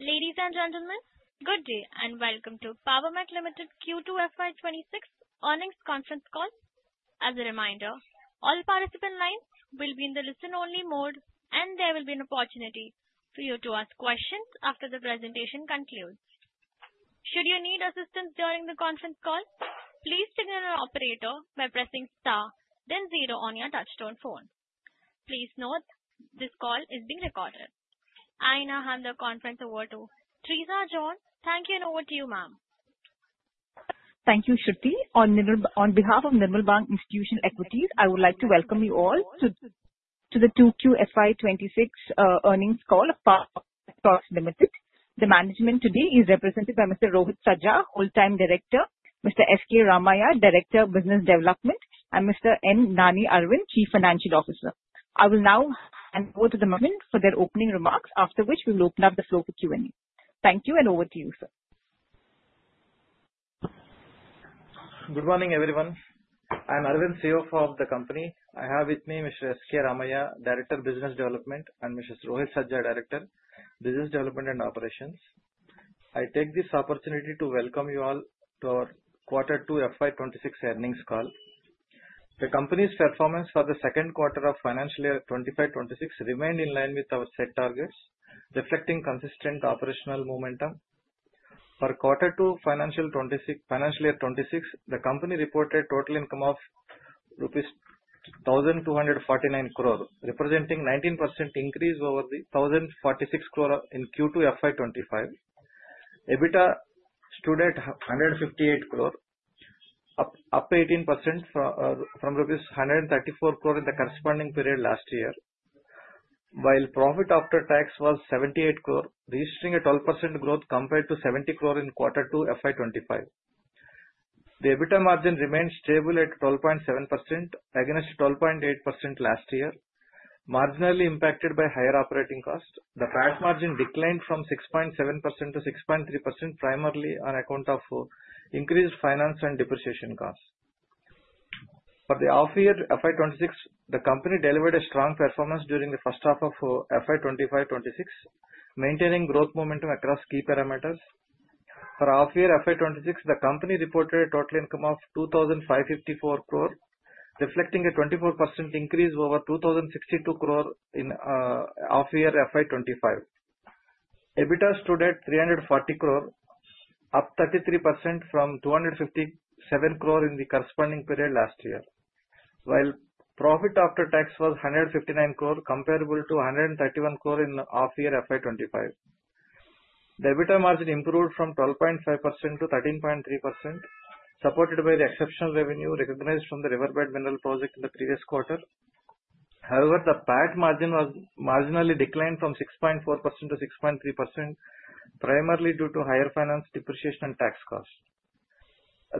Ladies and gentlemen, good day and welcome to Power Mech Projects Limited Q2 FY 2026 Earnings Conference Call. As a reminder, all participant lines will be in the listen-only mode, and there will be an opportunity for you to ask questions after the presentation concludes. Should you need assistance during the conference call, please signal your operator by pressing star, then zero on your touch-tone phone. Please note this call is being recorded. I now hand the conference over to Teresa John. Thank you, and over to you, ma'am. Thank you, Shruti. On behalf of Nirmal Bang Institutional Equities, I would like to welcome you all to the Q2 FY 2026 Earnings Call of Power Mech Projects Limited. The management today is represented by Mr. Rohit Sajja, Whole-time Director; Mr. S. K. Ramaiah, Director of Business Development; and Mr. N Nani Aravind, Chief Financial Officer. I will now hand over to Aravind for their opening remarks, after which we will open up the floor for Q&A. Thank you, and over to you, sir. Good morning, everyone. I'm Aravind, CFO of the company. I have with me Mr. S. K. Ramaiah, Director of Business Development, and Mr. Sajja Rohit, Director of Business Development and Operations. I take this opportunity to welcome you all to our Q2 FY 2026 Earnings Call. The company's performance for the Second Quarter of Financial Year 2025-2026 remained in line with our set targets, reflecting consistent operational momentum. For Q2 Financial Year 2026, the company reported total income of rupees 1,249 crore, representing a 19% increase over the 1,046 crore in Q2 FY 2025. EBITDA stood at 158 crore, up 18% from rupees 134 crore in the corresponding period last year, while profit after tax was 78 crore, registering a 12% growth compared to 70 crore in Q2 FY 2025. The EBITDA margin remained stable at 12.7%, against 12.8% last year, marginally impacted by higher operating costs. The PAT margin declined from 6.7% to 6.3%, primarily on account of increased finance and depreciation costs. For the half-year FY 2026, the company delivered a strong performance during the first half of FY 2025-2026, maintaining growth momentum across key parameters. For half-yearr FY 2026, the company reported a total income of 2,554 crore, reflecting a 24% increase over 2,062 crore in half-year FY 2025. EBITDA stood at 340 crore, up 33% from 257 crore in the corresponding period last year, while profit after tax was 159 crore, comparable to 131 crore in half-year FY 2025. The EBITDA margin improved from 12.5%-13.3%, supported by the exceptional revenue recognized from the River Bed Mineral Project in the previous quarter. However, the PAT margin marginally declined from 6.4% to 6.3%, primarily due to higher finance, depreciation, and tax costs.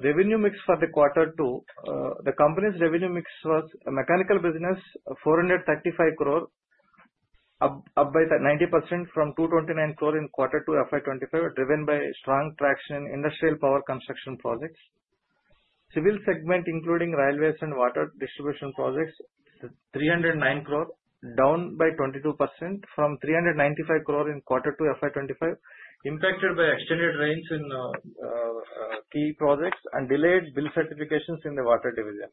Revenue mix for the Q2: The company's revenue mix was mechanical business, 435 crore, up by 90% from 229 crore in Q2 FY 2025, driven by strong traction in industrial power construction projects. Civil segment, including railways and water distribution projects, 309 crore, down by 22% from 395 crore in Q2 FY 2025, impacted by extended rains in key projects and delayed bill certifications in the water division.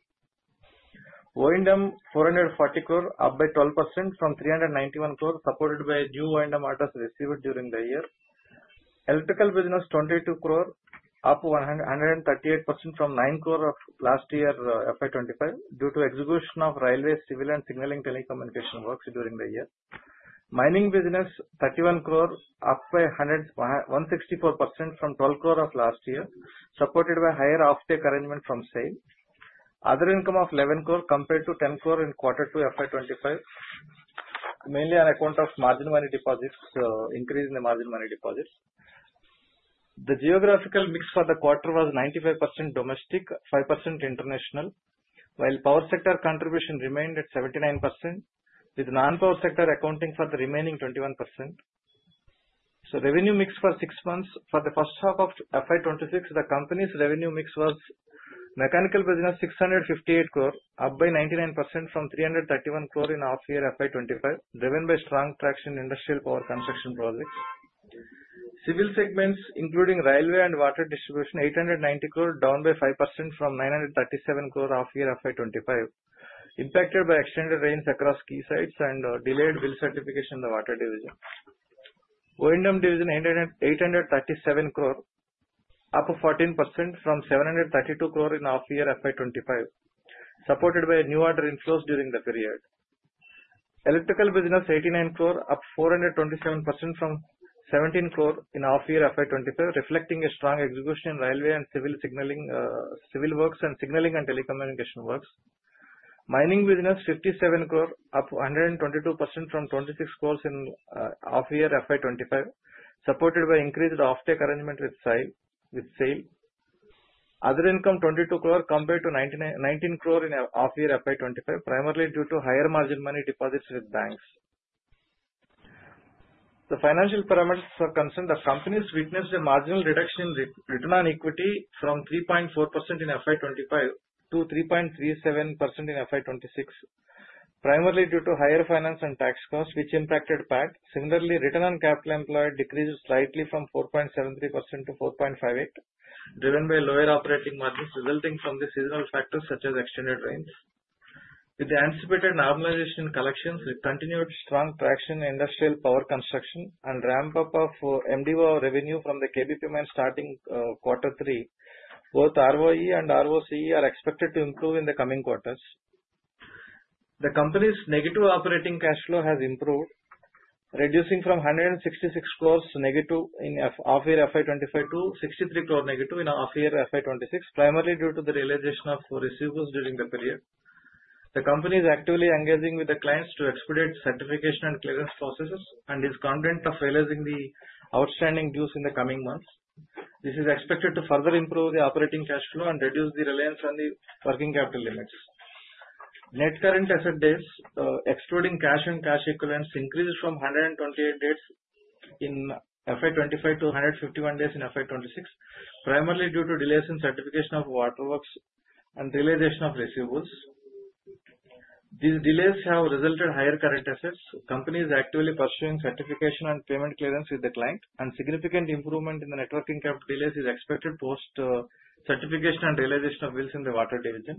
O&M, 440 crore, up by 12% from 391 crore, supported by new O&M orders received during the year. Electrical business, 22 crore, up 138% from 9 crore of last year FY 2025, due to execution of railway, civil, and signaling telecommunication works during the year. Mining business, 31 crore, up by 164% from 12 crore of last year, supported by higher off-take arrangement from sale. Other income of 11 crore, compared to 10 crore in Q2 FY 2025, mainly on account of margin money deposits, increase in the margin money deposits. The geographical mix for the quarter was 95% domestic, 5% international, while power sector contribution remained at 79%, with non-power sector accounting for the remaining 21%. Revenue mix for six months: For the first half of FY 2026, the company's revenue mix was mechanical business, 658 crore, up by 99% from 331 crore in H1 FY 2025, driven by strong traction in industrial power construction projects. Civil segments, including railway and water distribution, 890 crore, down by 5% from 937 crore in H1 FY 2025, impacted by extended rains across key sites and delayed bill certification in the water division. O&M division, 837 crore, up 14% from 732 crore in H1 FY 2025, supported by new order inflows during the period. Electrical business, INR 89 crore, up 427% from INR 17 crore in off-year FY 2025, reflecting a strong execution in railway and civil works and signaling and telecommunication works. Mining business, 57 crore, up 122% from 26 crore in off-year FY 2025, supported by increased off-take arrangement with sale. Other income, 22 crore, compared to 19 crore in off-year FY 2025, primarily due to higher margin money deposits with banks. The financial parameters were concerned. The company has witnessed a marginal reduction in return on equity from 3.4% in FY 2025-3.37% in FY 2026, primarily due to higher finance and tax costs, which impacted PAC. Similarly, return on capital employed decreased slightly from 4.73%-4.58%, driven by lower operating margins resulting from the seasonal factors such as extended rains. With the anticipated normalization in collections, with continued strong traction in industrial power construction and ramp-up of MDO revenue from the KBP mines starting Q3, both ROE and ROCE are expected to improve in the coming quarters. The company's negative operating cash flow has improved, reducing from 166 crore negative in off-year FY 2025 to 63 crore negative in off-year FY 2026, primarily due to the realization of receivables during the period. The company is actively engaging with the clients to expedite certification and clearance processes and is confident of realizing the outstanding dues in the coming months. This is expected to further improve the operating cash flow and reduce the reliance on the working capital limits. Net current asset days, excluding cash and cash equivalents, increased from 128 days in FY 2025 to 151 days in FY 2026, primarily due to delays in certification of waterworks and realization of receivables. These delays have resulted in higher current assets. The company is actively pursuing certification and payment clearance with the client, and significant improvement in the net working capital delays is expected post-certification and realization of bills in the water division.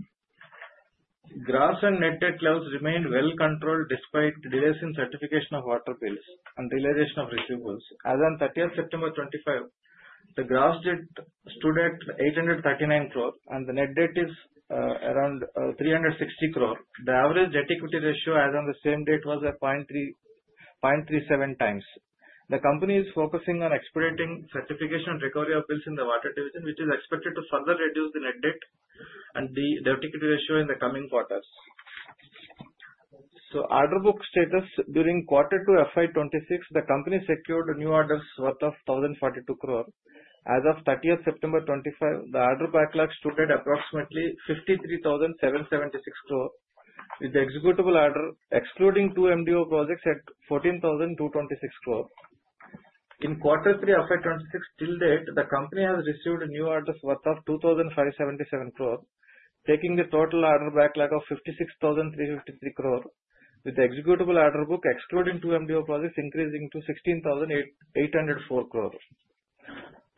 Gross and net debt levels remained well controlled despite delays in certification of water bills and realization of receivables. As of 30 September 2025, the gross stood at 839 crore, and the net debt is around 360 crore. The average debt-equity ratio as of the same date was 0.37x. The company is focusing on expediting certification and recovery of bills in the water division, which is expected to further reduce the net debt and the debt-equity ratio in the coming quarters. Order book status: During Q2 FY 2026, the company secured new orders worth 1,042 crore. As of 30 September 2025, the order backlog stood at approximately 53,776 crore, with the executable order excluding two MDO projects at 14,226 crore. In Q3 FY 2026 till date, the company has received new orders worth of 2,577 crore, taking the total order backlog of 56,353 crore, with the executable order book excluding two MDO projects increasing to 16,804 crore.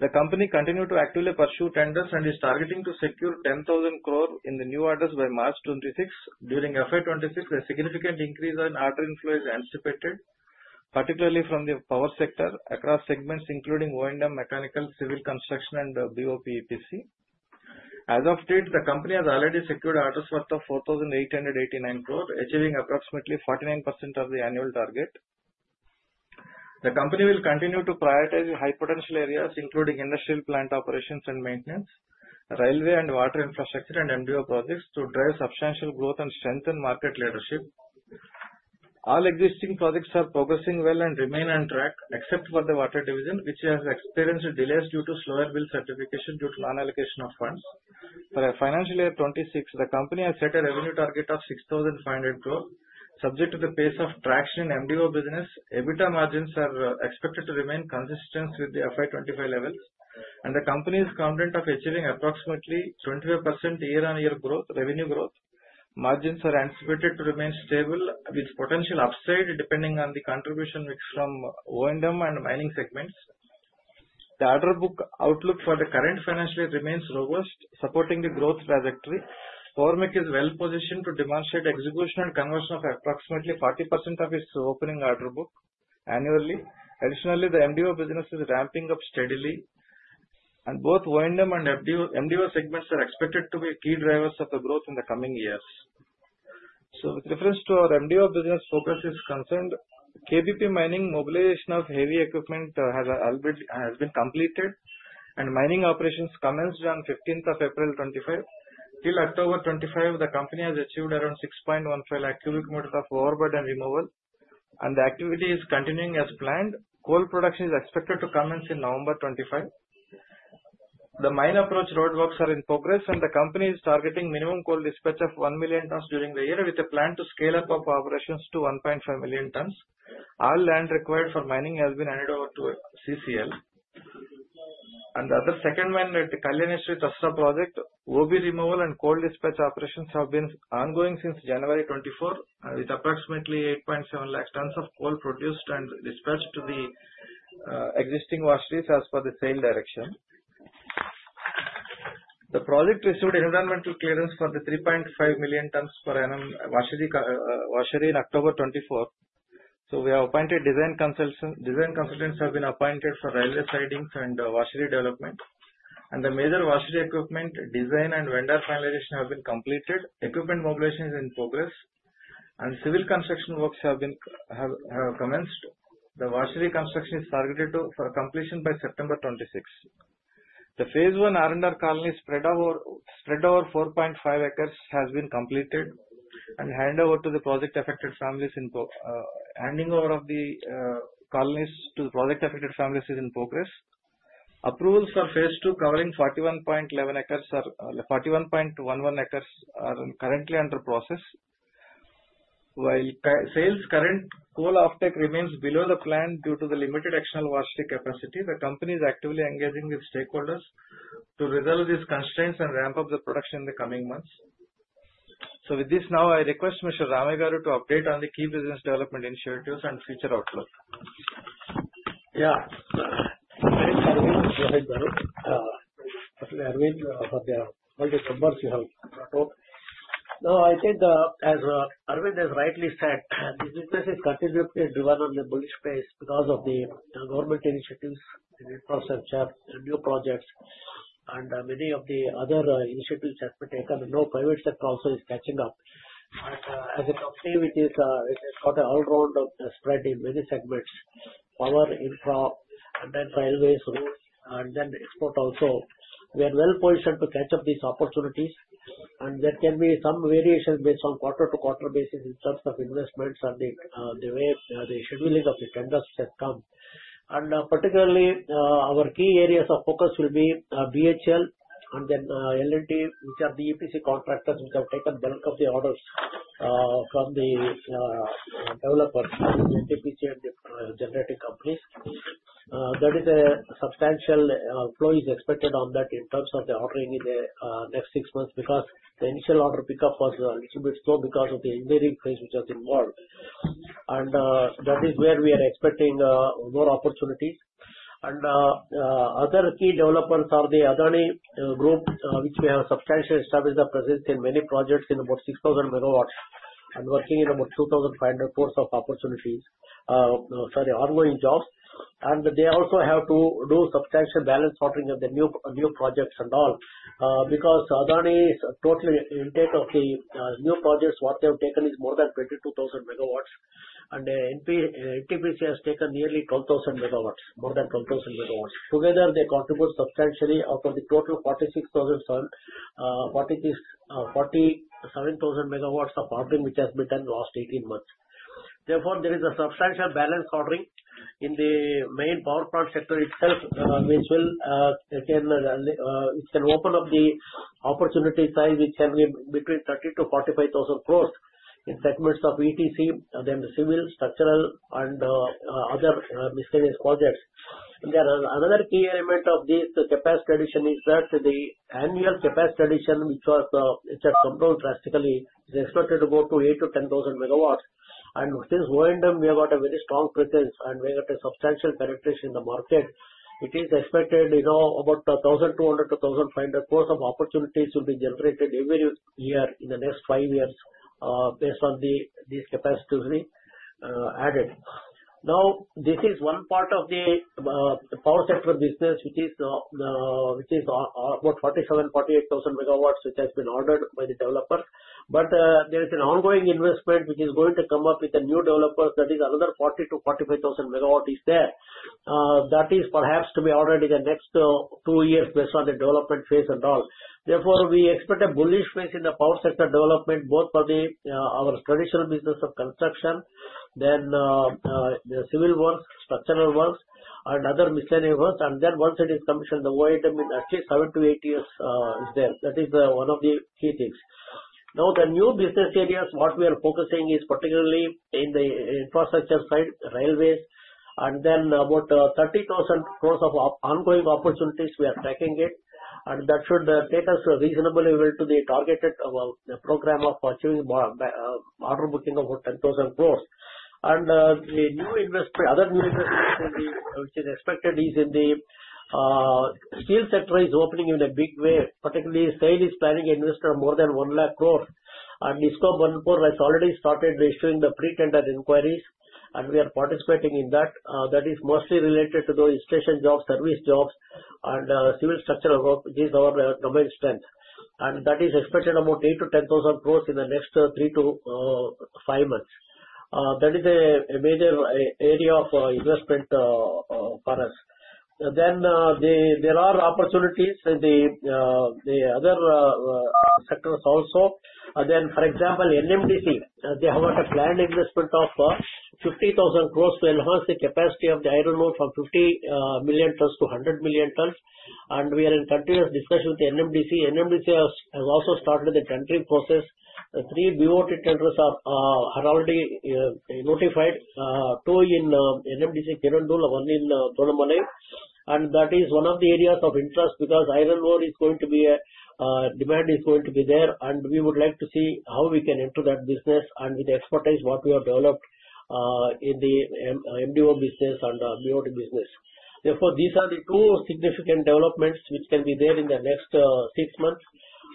The company continued to actively pursue tenders and is targeting to secure 10,000 crore in the new orders by March 2026. During FY 2026, a significant increase in order inflow is anticipated, particularly from the power sector across segments including O&M, mechanical, civil, construction, and BOPEPC. As of date, the company has already secured orders worth of 4,889 crore, achieving approximately 49% of the annual target. The company will continue to prioritize high-potential areas, including industrial plant operations and maintenance, railway and water infrastructure, and MDO projects, to drive substantial growth and strengthen market leadership. All existing projects are progressing well and remain on track, except for the water division, which has experienced delays due to slower bill certification due to non-allocation of funds. For financial year 2026, the company has set a revenue target of 6,500 crore. Subject to the pace of traction in MDO business, EBITDA margins are expected to remain consistent with the FY 2025 levels, and the company is confident of achieving approximately 25% year-on-year revenue growth. Margins are anticipated to remain stable, with potential upside depending on the contribution mix from O&M and mining segments. The order book outlook for the current financial year remains robust, supporting the growth trajectory. Power Mech is well positioned to demonstrate execution and conversion of approximately 40% of its opening order book annually. Additionally, the MDO business is ramping up steadily, and both O&M and MDO segments are expected to be key drivers of the growth in the coming years. With reference to our MDO business, focus is concerned. KBP Mining's mobilization of heavy equipment has been completed, and mining operations commenced on 15 April 2025. Till October 2025, the company has achieved around 6.15 cubic meters of overburden removal, and the activity is continuing as planned. Coal production is expected to commence in November 2025. The mine approach roadworks are in progress, and the company is targeting minimum coal dispatch of 1 million tons during the year, with a plan to scale up operations to 1.5 million tons. All land required for mining has been handed over to CCL. The other second mine at Kalyaneswari Tasra project, OB removal and coal dispatch operations have been ongoing since January 2024, with approximately 8.7 lakh tons of coal produced and dispatched to the existing washeries as per the sale direction. The project received environmental clearance for the 3.5 million tons per annum washery in October 2024. We have appointed design consultants. Design consultants have been appointed for railway sidings and washery development. The major washery equipment design and vendor finalization have been completed. Equipment mobilization is in progress, and civil construction works have commenced. The washery construction is targeted for completion by September 2026. The phase one R&R colony spread over 4.5 acres has been completed and handed over to the project-affected families. Handing over of the colonies to the project-affected families is in progress. Approvals for phase two covering 41.11 acres are currently under process. While sales current coal off-take remains below the plan due to the limited external washery capacity, the company is actively engaging with stakeholders to resolve these constraints and ramp up the production in the coming months. With this, now I request Mr. Ramaiah Garu to update on the key business development initiatives and future outlook. Yeah. Thank you, Aravind. Go ahead, Guru. Actually, Aravind, for the multiple words you have brought up. No, I think, as Aravind has rightly said, this business is continuously driven on the bullish pace because of the government initiatives in the infrastructure and new projects and many of the other initiatives that have been taken. And now, private sector also is catching up. As a company, it has got an all-round spread in many segments: power, infra, and then railways, roads, and then export also. We are well positioned to catch up these opportunities, and there can be some variation based on quarter-to-quarter basis in terms of investments and the way the scheduling of the tenders has come. And particularly, our key areas of focus will be BHEL and then L&T, which are the EPC contractors which have taken bulk of the orders from the developers, the NTPC and the generating companies. That is, a substantial flow is expected on that in terms of the ordering in the next six months because the initial order pickup was a little bit slow because of the engineering phase which was involved. And that is where we are expecting more opportunities. And other key developers are the Adani Group, which we have substantially established a presence in many projects in about 6,000 MW and working in about 2,500 worth of opportunities. Sorry, ongoing jobs. And they also have to do substantial balance ordering of the new projects and all because Adani is totally into the new projects. What they have taken is more than 22,000 MW, and NTPC has taken nearly 12,000 MW, more than 12,000 MW. Together, they contribute substantially out of the total 47,000 MW of ordering which has been done in the last 18 months. Therefore, there is a substantial balance ordering in the main power plant sector itself, which can open up the opportunity size which can be between 30,000crore-45,000 crore in segments of ETC, then civil, structural, and other miscellaneous projects. Another key element of this capacity addition is that the annual capacity addition, which has compounded drastically, is expected to go to 8,000-10,000 MW. And since O&M, we have got a very strong presence and we have got a substantial penetration in the market. It is expected about 1,200-1,500 lots of opportunities will be generated every year in the next five years based on these capacities added. Now, this is one part of the power sector business, which is about 47,000-48,000 MW, which has been ordered by the developers. But there is an ongoing investment which is going to come up with the new developers. That is another 40,000-45,000 MW is there. That is perhaps to be ordered in the next two years based on the development phase and all. Therefore, we expect a bullish phase in the power sector development, both for our traditional business of construction, then the civil works, structural works, and other miscellaneous works. And then once it is commissioned, the O&M in at least seven to eight years is there. That is one of the key things. Now, the new business areas what we are focusing is particularly in the infrastructure side, railways, and then about 30,000 crore of ongoing opportunities we are tracking it. And that should take us reasonably well to the targeted program of achieving order booking of about INR 10,000 crore. And the other new investment which is expected is in the steel sector is opening in a big way. Particularly, SAIL is planning to invest more than 1 lakh crore. And IISCO Burnpur has already started issuing the pre-tender inquiries, and we are participating in that. That is mostly related to those station jobs, service jobs, and civil structural work, which is our domain strength. That is expected about 8,000 crore-10,000 crore in the next three to five months. That is a major area of investment for us. There are opportunities in the other sectors also. For example, NMDC, they have got a planned investment of 50,000 crore to enhance the capacity of the iron ore from 50 million tons-100 million tons. We are in continuous discussion with NMDC. NMDC has also started the tendering process. Three BOT tenders are already notified: two in NMDC Kirandul, one in Donimalai. That is one of the areas of interest because iron ore is going to be a demand is going to be there, and we would like to see how we can enter that business and with the expertise what we have developed in the MDO business and BOT business. Therefore, these are the two significant developments which can be there in the next six months,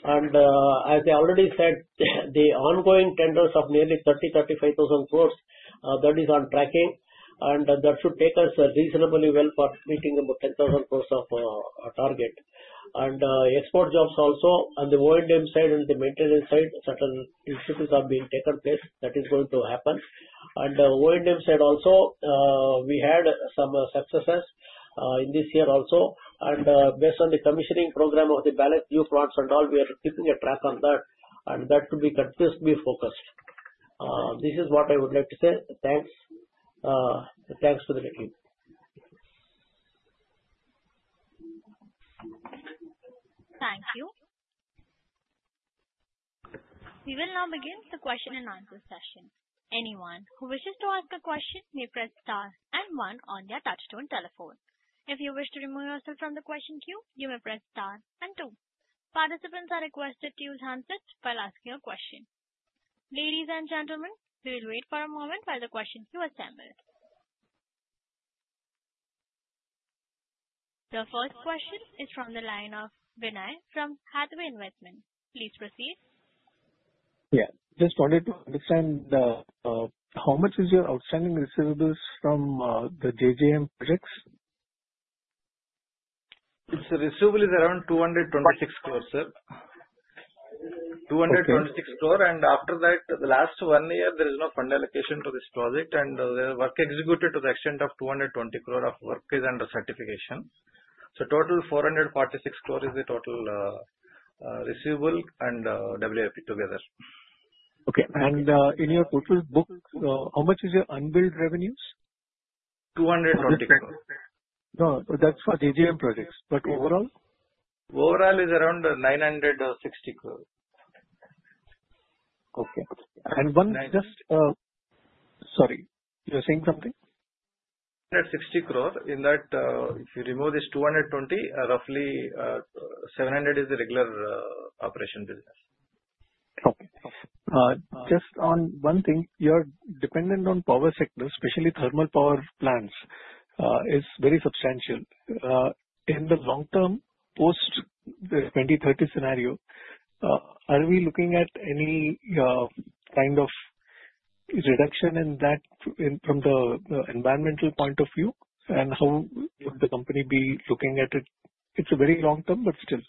and as I already said, the ongoing tenders of nearly 30,000-35,000 crore, that is on track, and that should take us reasonably well for meeting about 10,000 crore of target, and export jobs also, on the O&M side and the maintenance side, certain initiatives are being taken place. That is going to happen, and O&M side also, we had some successes in this year also, and based on the commissioning program of the balance new plants and all, we are keeping a track on that, and that should be continuously focused. This is what I would like to say. Thanks. Thanks to the team. Thank you. We will now begin the question and answer session. Anyone who wishes to ask a question may press star and one on their touch-tone telephone. If you wish to remove yourself from the question queue, you may press star and two. Participants are requested to use handsets while asking a question. Ladies and gentlemen, we will wait for a moment while the question queue assembles. The first question is from the line of Vinay from HATHWAY INVESTMENT. Please proceed. Yeah. Just wanted to understand how much is your outstanding receivables from the JJM projects? It's a receivable is around 226 crore, sir. 226 crore. And after that, the last one year, there is no fund allocation to this project, and the work executed to the extent of 220 crore of work is under certification. So total 446 crore is the total receivable and WIP together. Okay. And in your total books, how much is your unbilled revenues? 220 crore. No, that's for JJM projects. But overall? Overall is around 960 crore. Okay. And just, sorry, you were saying something? 160 crore. In that, if you remove this 220 crore, roughly 700 crore is the regular operation business. Okay. Just on one thing, your dependence on power sector, especially thermal power plants, is very substantial. In the long term, post-2030 scenario, are we looking at any kind of reduction in that from the environmental point of view? And how would the company be looking at it? It is a very long term, but still.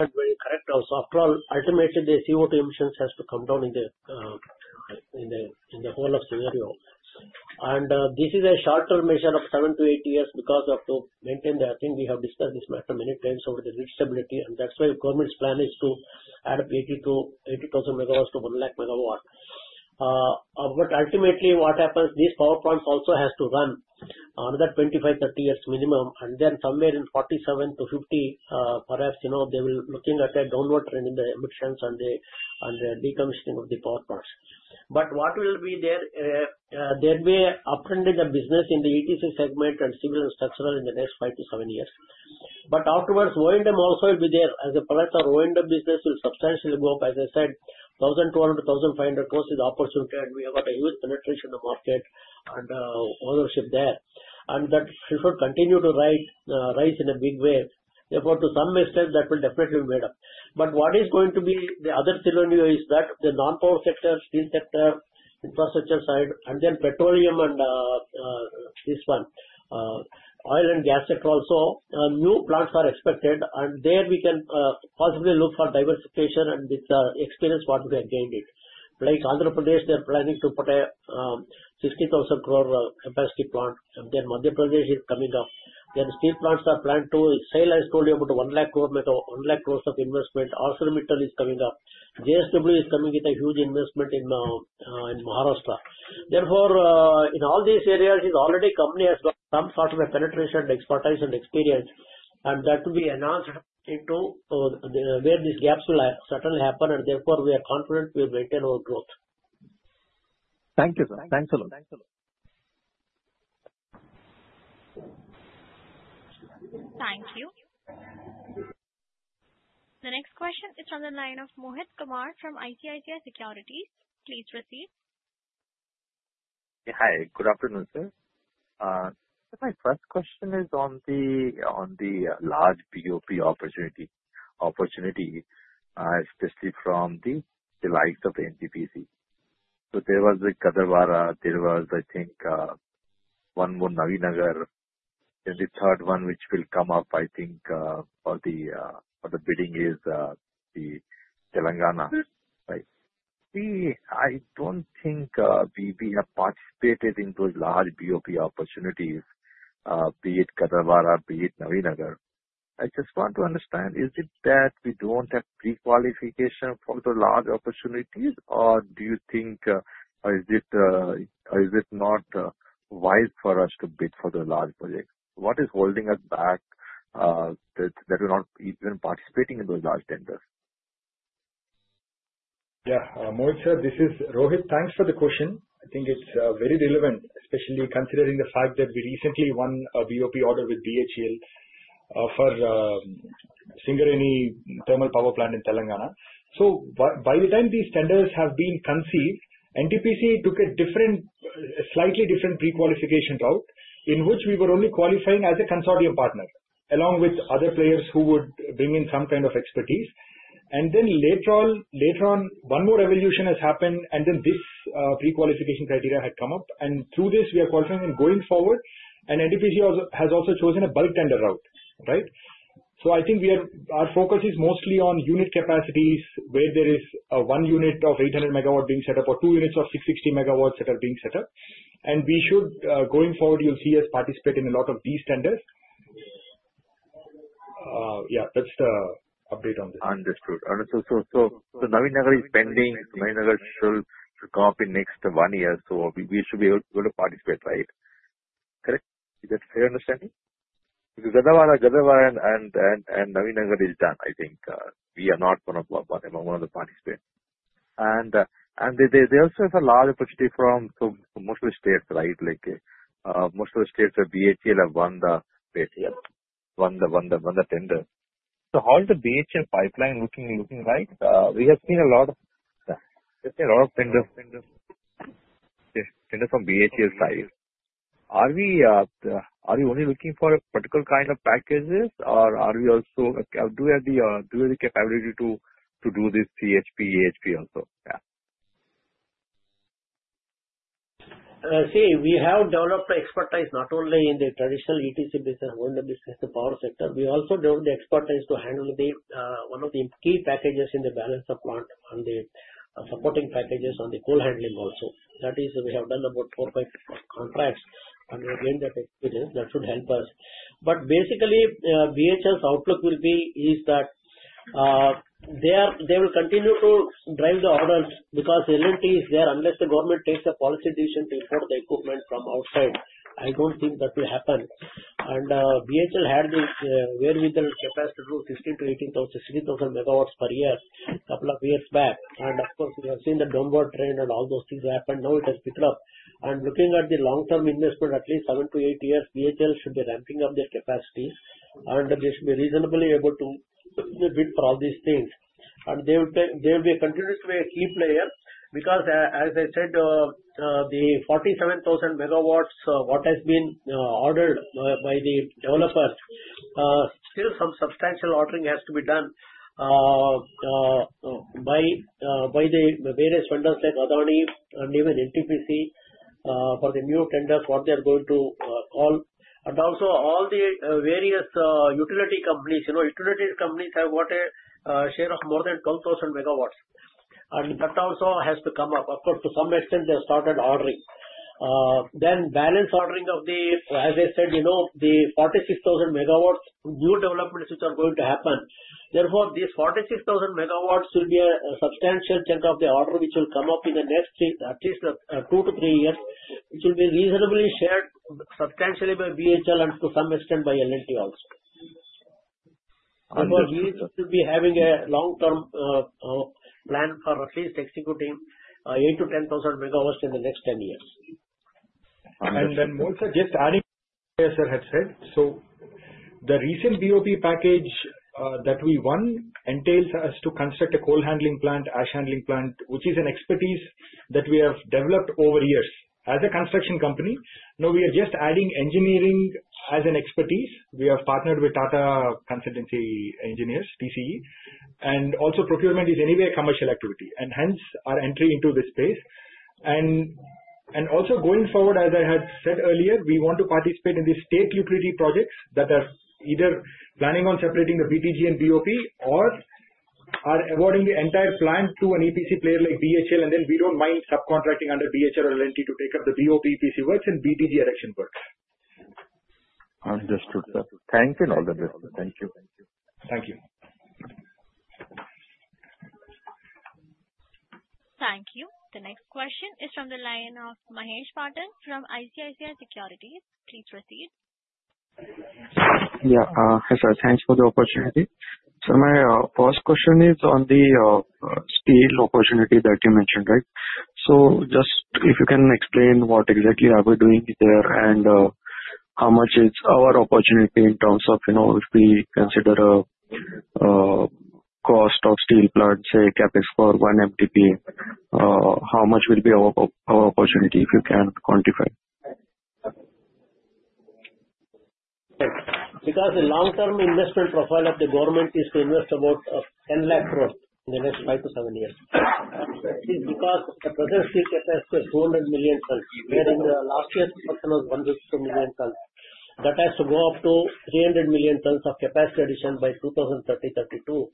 That is very correct. After all, ultimately, the CO2 emissions have to come down in the whole scenario. And this is a short-term measure of seven to eight years because to maintain the. I think we have discussed this matter many times over the reachability. And that is why the government's plan is to add 80,000-100,000 MW. But ultimately, what happens, these power plants also have to run another 25-30 years minimum. And then somewhere in 47-50, perhaps they will looking at a downward trend in the emissions and the decommissioning of the power plants. But what will be there, there will be up and down the business in the ETC segment and civil and structural in the next five-seven years. But afterwards, O&M also will be there. As a product of O&M business will substantially go up, as I said, 1,200 crore-1,500 crore is the opportunity, and we have got a huge penetration in the market and ownership there. And that should continue to rise in a big wave. Therefore, to some extent, that will definitely be made up. But what is going to be the other scenario is that the non-power sector, steel sector, infrastructure side, and then petroleum and this one, oil and gas sector also, new plants are expected. And there we can possibly look for diversification and with the experience what we have gained it. Like Andhra Pradesh, they are planning to put a 60,000 crore capacity plant. And then Madhya Pradesh is coming up. Then steel plants are planned too. SAIL has told you about 1 lakh crore of investment. ArcelorMittal is coming up. JSW is coming with a huge investment in Maharashtra. Therefore, in all these areas, already company has got some sort of a penetration and expertise and experience. And that will be enhanced into where these gaps will certainly happen. And therefore, we are confident we will maintain our growth. Thank you, sir. Thanks a lot. Thank you. The next question is from the line of Mohit Kumar from ICICI Securities. Please proceed. Hi. Good afternoon, sir. My first question is on the large BOP opportunity, especially from the likes of NTPC. So there was the Gadarwara, there was, I think, one more Nabinagar. Then the third one which will come up, I think, for the bidding is the Telangana. I don't think we have participated in those large BOP opportunities, be it Gadarwara, be it Nabinagar. I just want to understand, is it that we don't have pre-qualification for the large opportunities, or do you think, or is it not wise for us to bid for the large projects? What is holding us back that we're not even participating in those large tenders? Yeah. Mohit, sir, this is Rohit. Thanks for the question. I think it's very relevant, especially considering the fact that we recently won a BOP order with BHEL for Singareni Thermal Power Plant in Telangana. So by the time these tenders have been conceived, NTPC took a slightly different pre-qualification route in which we were only qualifying as a consortium partner along with other players who would bring in some kind of expertise. And then later on, one more evolution has happened, and then this pre-qualification criteria had come up. And through this, we are qualifying and going forward, and NTPC has also chosen a bulk tender route, right? So I think our focus is mostly on unit capacities where there is one unit of 800 MW being set up or two units of 660 MW that are being set up. And we should, going forward, you'll see us participate in a lot of these tenders. Yeah, that's the update on this. Understood. Understood. So Nabinagar is pending. Nabinagar should come up in next one year, so we should be able to participate, right? Correct? Is that fair understanding? Because Gadarwara and Nabinagar is done, I think. We are not one of the participants. And they also have a large opportunity from most of the states, right? Most of the states, BHEL have won the BHEL, won the tender. So how is the BHEL pipeline looking right? We have seen a lot of tenders from BHEL side. Are we only looking for particular kind of packages, or are we also, do we have the capability to do this CHP, AHP also? Yeah. See, we have developed expertise not only in the traditional ETC business, O&M business, the power sector. We also developed the expertise to handle one of the key packages in the balance of plant and the supporting packages on the coal handling also. That is, we have done about four or five contracts. And we have gained that experience. That should help us, but basically, BHEL's outlook will be is that they will continue to drive the orders because L&T is there. Unless the government takes a policy decision to import the equipment from outside, I don't think that will happen, and BHEL had this wherewithal capacity to do 16,000-18,000, 16,000 MW per year a couple of years back, and of course, we have seen the downward trend and all those things happen. Now it has picked up, and looking at the long-term investment, at least seven-to-eight years, BHEL should be ramping up their capacity. They should be reasonably able to bid for all these things. They will continue to be a key player because, as I said, the 47,000 MW what has been ordered by the developers. Still some substantial ordering has to be done by the various vendors like Adani and even NTPC for the new tenders, what they are going to call. Also all the various utility companies, utility companies have got a share of more than 12,000 MW. And that also has to come up. Of course, to some extent, they have started ordering. Then balance ordering of the, as I said, the 46,000 MW new developments which are going to happen. Therefore, these 46,000 MW will be a substantial chunk of the order which will come up in the next at least two to three years, which will be reasonably shared substantially by BHEL and to some extent by L&T also, and we should be having a long-term plan for at least executing eight to 10,000 MW in the next 10 years, and then Mohit, sir, just adding what you, sir, had said, so the recent BOP package that we won entails us to construct a coal handling plant, ash handling plant, which is an expertise that we have developed over years as a construction company, now we are just adding engineering as an expertise. We have partnered with Tata Consulting Engineers, TCE, and also procurement is anyway a commercial activity, and hence our entry into this space. And also going forward, as I had said earlier, we want to participate in the state utility projects that are either planning on separating the BTG and BOP or are awarding the entire plant to an EPC player like BHEL. And then we don't mind subcontracting under BHEL or L&T to take up the BOP EPC works and BTG erection works. Understood, sir. Thank you, and all the best. Thank you. Thank you. Thank you. The next question is from the line of Mahesh Patel from ICICI Securities. Please proceed. Yeah. Hi, sir. Thanks for the opportunity. So my first question is on the steel opportunity that you mentioned, right? Just if you can explain what exactly are we doing there and how much is our opportunity in terms of if we consider cost of steel plant, say, CapEx for one MTP, how much will be our opportunity if you can quantify? Because the long-term investment profile of the government is to invest about 10 lakh crore in the next five-seven years. Because the present steel capacity is 200 million tons, wherein the last year's production was 102 million tons. That has to go up to 300 million tons of capacity addition by 2030-2032.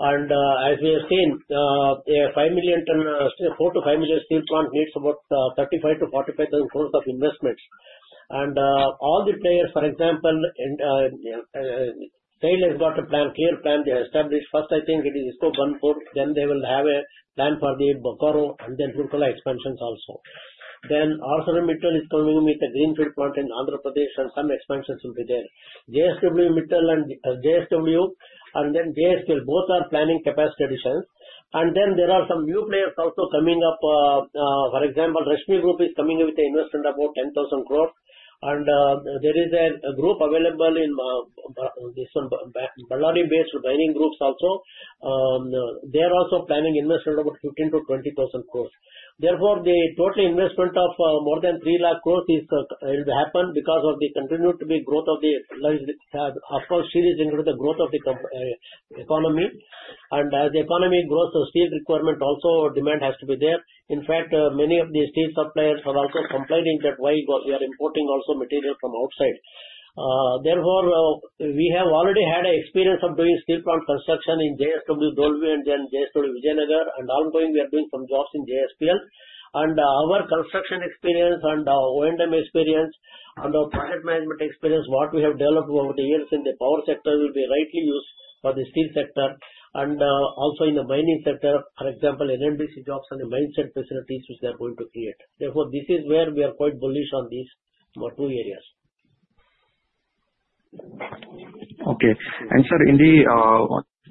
And as we have seen, 4-5 million steel plants needs about 35-45 thousand crore of investments. And all the players, for example, SAIL has got a clear plan they established. First, I think it is IISCO 14. They will have a plan for the Bokaro and then Bokaro expansions also. ArcelorMittal is coming with the greenfield plant in Andhra Pradesh, and some expansions will be there. JSW Mittal and JSW, and then JSPL, both are planning capacity additions. There are some new players also coming up. For example, Rashmi Group is coming with an investment of about 10,000 crore. There is a group available in this one, Balarim-based mining groups also. They are also planning investment of about 15,000 crore-20,000 crore. Therefore, the total investment of more than 3 lakh crore will happen because of the continued growth of the upward series into the growth of the economy. As the economy grows, the steel requirement also demand has to be there. In fact, many of the steel suppliers are also complaining that, "Why are we importing also material from outside?" Therefore, we have already had an experience of doing steel plant construction in JSW Dolvi and then JSW Vijayanagar, and ongoing, we are doing some jobs in JSPL, and our construction experience and O&M experience and our project management experience, what we have developed over the years in the power sector will be rightly used for the steel sector, and also in the mining sector, for example, L&DC jobs and the mine site facilities which they are going to create. Therefore, this is where we are quite bullish on these two areas. Okay, and sir,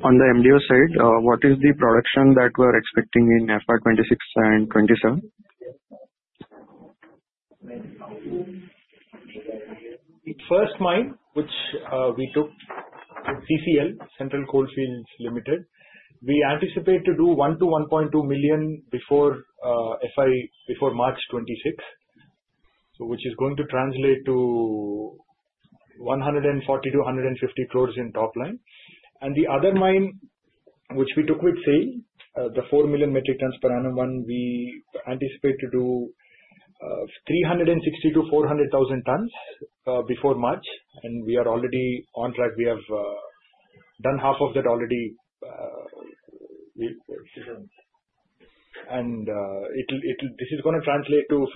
on the MDO side, what is the production that we are expecting in FY 2026 and 2027? First mine, which we took CCL, Central Coalfields Limited. We anticipate to do one to 1.2 million before March 2026, which is going to translate to 140 crore-150 crore in top line. The other mine which we took with SAIL, the 4 million metric tons per annum one, we anticipate to do 360-400,000 tons before March 2026. We are already on track. We have done half of that already. This is going to translate to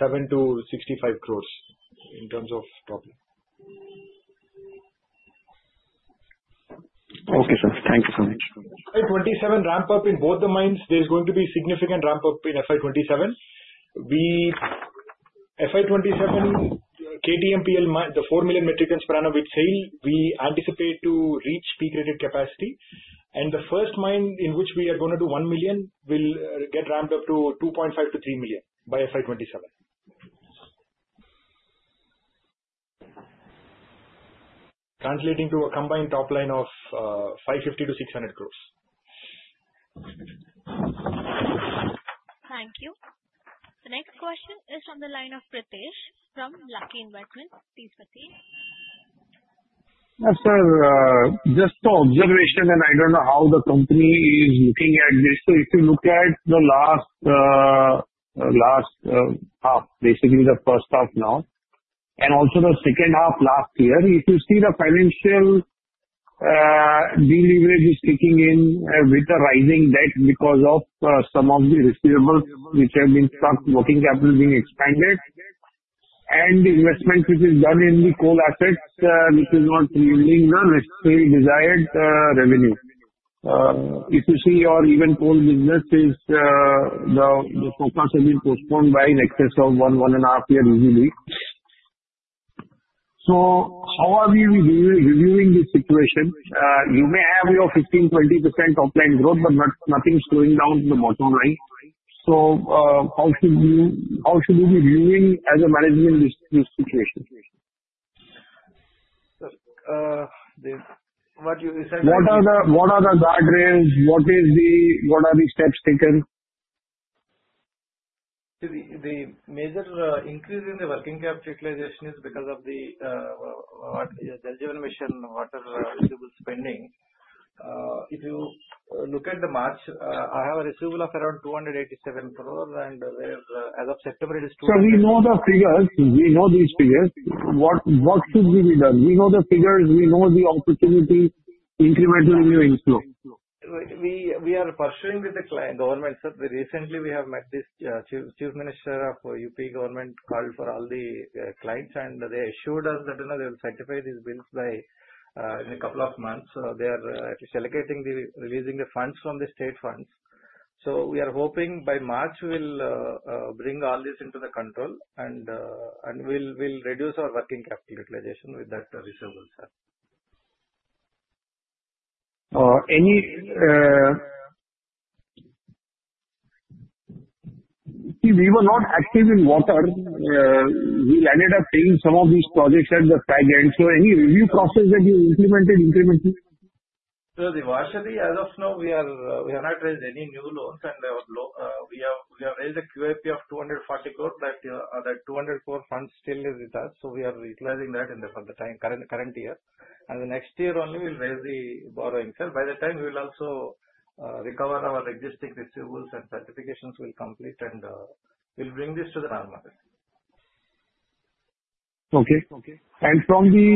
57 crore-65 crore in terms of total. Okay, sir. Thank you so much. FY 2027 ramp-up in both the mines. There is going to be significant ramp-up in FY 2027. FY 2027, KTMPL mine, the four million metric tons per annum with SAIL, we anticipate to reach peak rated capacity. The first mine in which we are going to do one million will get ramped up to 2.5-3 million by FY 2027, translating to a combined top line of 550 crore-600 crore. Thank you. The next question is from the line of Pratish from Lucky Investment Managers. Please proceed. Sir, just an observation, and I don't know how the company is looking at this. If you look at the last half, basically the first half now, and also the second half last year, if you see the financial deleverage is kicking in with the rising debt because of some of the receivables which have been stuck, working capital being expanded, and investment which is done in the coal assets, which is not yielding the desired revenue. If you see your even coal business, the coal plants have been postponed by an excess of one, one and a half years easily. So how are we reviewing this situation? You may have your 15%-20% top line growth, but nothing's going down to the bottom line. So how should we be viewing as a management this situation? What you said? What are the guardrails? What are the steps taken? The major increase in the working capital utilization is because of the Jal Jeevan Mission water receivables spending. If you look at the March, I have a receivable of around 287 crore, and as of September, it is 200. So we know the figures. We know these figures. What should we be done? We know the figures. We know the opportunity incremental in the inflow. We are pursuing with the government, sir. Recently, we have met the Chief Minister of the UP government, who called for all the clients, and they assured us that they will certify these bills in a couple of months. They are delaying the release of the funds from the state funds. So we are hoping by March we'll bring all this into the control and we'll reduce our working capital utilization with that receivable, sir. We were not active in water. We ended up paying some of these projects at the staggering. So any review process that you implemented incrementally? So the balance sheet, as of now, we have not raised any new loans, and we have raised a QIP of 240 crore. That 200 crore fund still is with us, so we are utilizing that for the current year. And the next year only we'll raise the borrowing, sir. By the time we will also recover our existing receivables and certifications will complete, and we'll bring this to the normal. Okay. And from the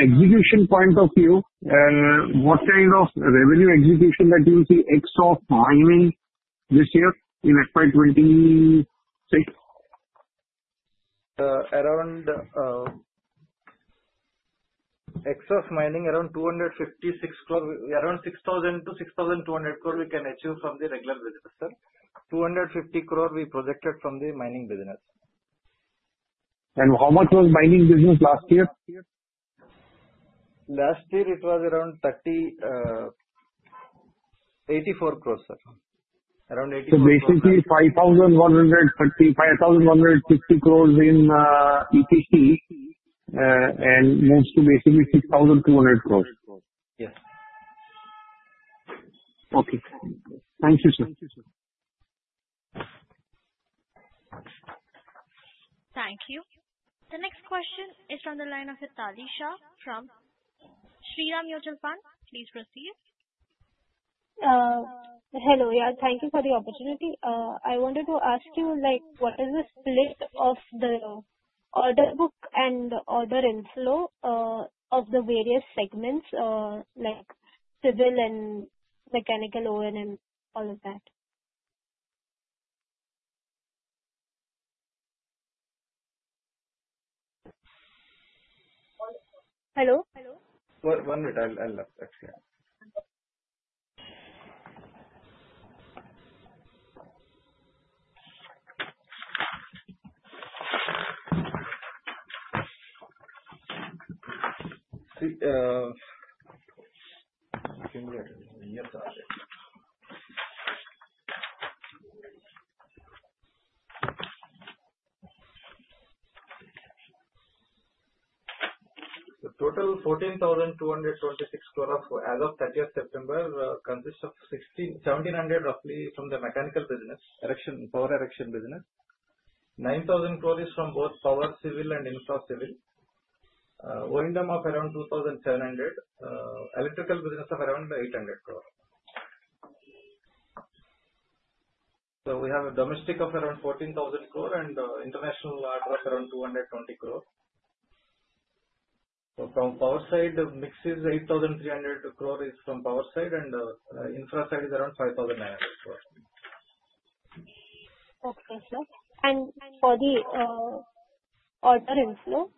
execution point of view, what kind of revenue execution that you will see excluding mining this year in FY 2026? Around excluding mining, around 256 crore, around 6,000 crore-6,200 crore we can achieve from the regular business, sir. 250 crore we projected from the mining business. And how much was mining business last year? Last year, it was around 84 crore, sir. Around 84 crore. So basically 5,160 crore in EPC and grows to basically 6,200 crore. Yes. Okay. Thank you, sir. Thank you. The next question is from the line of Hitalisha from Shriram Mutual Fund. Please proceed. Hello. Yeah. Thank you for the opportunity. I wanted to ask you, what is the split of the order book and the order inflow of the various segments, like civil and mechanical, O&M, all of that? Hello? One minute. I'll ask. The total 14,226 crore as of 30th September consists of 1,700 crore roughly from the mechanical business, power erection business. 9,000 crore is from both power, civil, and infra civil. O&M of around 2,700 crore. Electrical business of around 800 crore. So we have a domestic of around 14,000 crore and international order of around 220 crore. So from power side, mix is 8,300 crore is from power side, and infra side is around 5,900 crore. Okay, sir. And for the order inflow?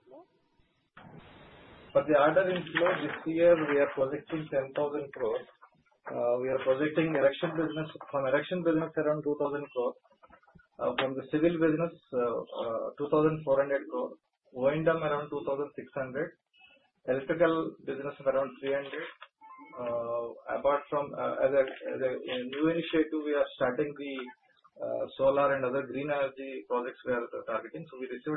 For the order inflow, this year we are projecting 10,000 crore. We are projecting erection business. From erection business, around 2,000 crore. From the civil business, 2,400 crore. O&M around 2,600 crore. Electrical business of around 300 crore. Apart from, as a new initiative, we are starting the solar and other green energy projects we are targeting. We received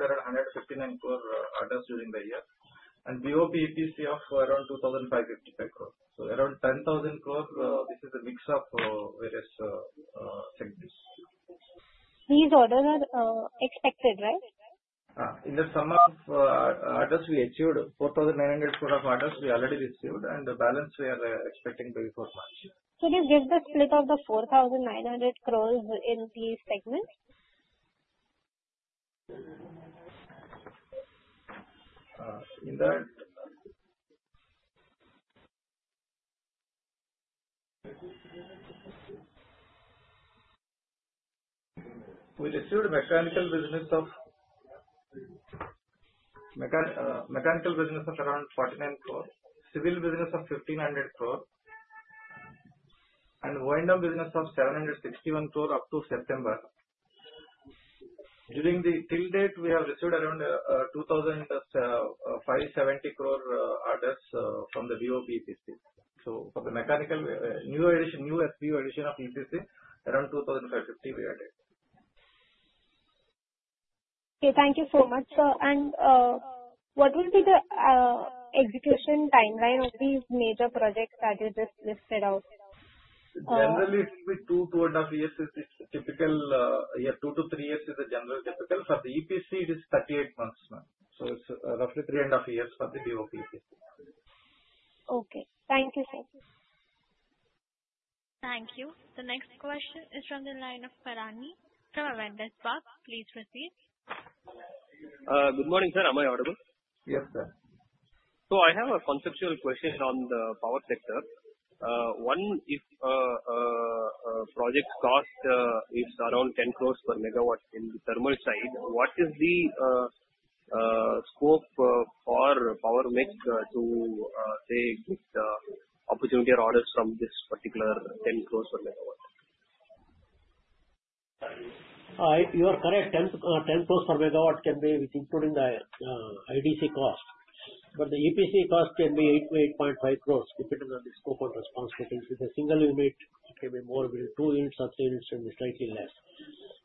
around INR 159 crore orders during the year. BOP EPC of around 2,550 crore. Around 10,000 crore, this is a mix of various segments. These orders are expected, right? In the sum of orders, we achieved 4,900 crore of orders we already received and the balance we are expecting to be for March. Can you give the split of the 4,900 crore in these segments? In that, we received mechanical business of around 49 crore, civil business of 1,500 crore, and O&M business of 761 crore up to September. During the till date, we have received around 2,570 crore orders from the BOP EPC. For the mechanical new SBU addition of EPC, around INR 2,550 we added. Okay. Thank you so much. What will be the execution timeline of these major projects that you just listed out? Generally, it will be two, two and a half years. It's typical. Two to three years is the general typical. For the EPC, it is 38 months. So it's roughly three and a half years for the BOP EPC. Okay. Thank you, sir. Thank you. The next question is from the line of Parani from Avendus Spark. Please proceed. Good morning, sir. Am I audible? Yes, sir. So I have a conceptual question on the power sector. One, if a project cost is around 10 crore per MW in the thermal side, what is the scope for Power Mech to, say, get opportunity orders from this particular 10 crore per MW? You are correct. 10 crore per MW can be including the IDC cost. But the EPC cost can be 8.5 crore depending on the scope of responsibility. If it's a single unit, it can be more than two units, sub-units can be slightly less.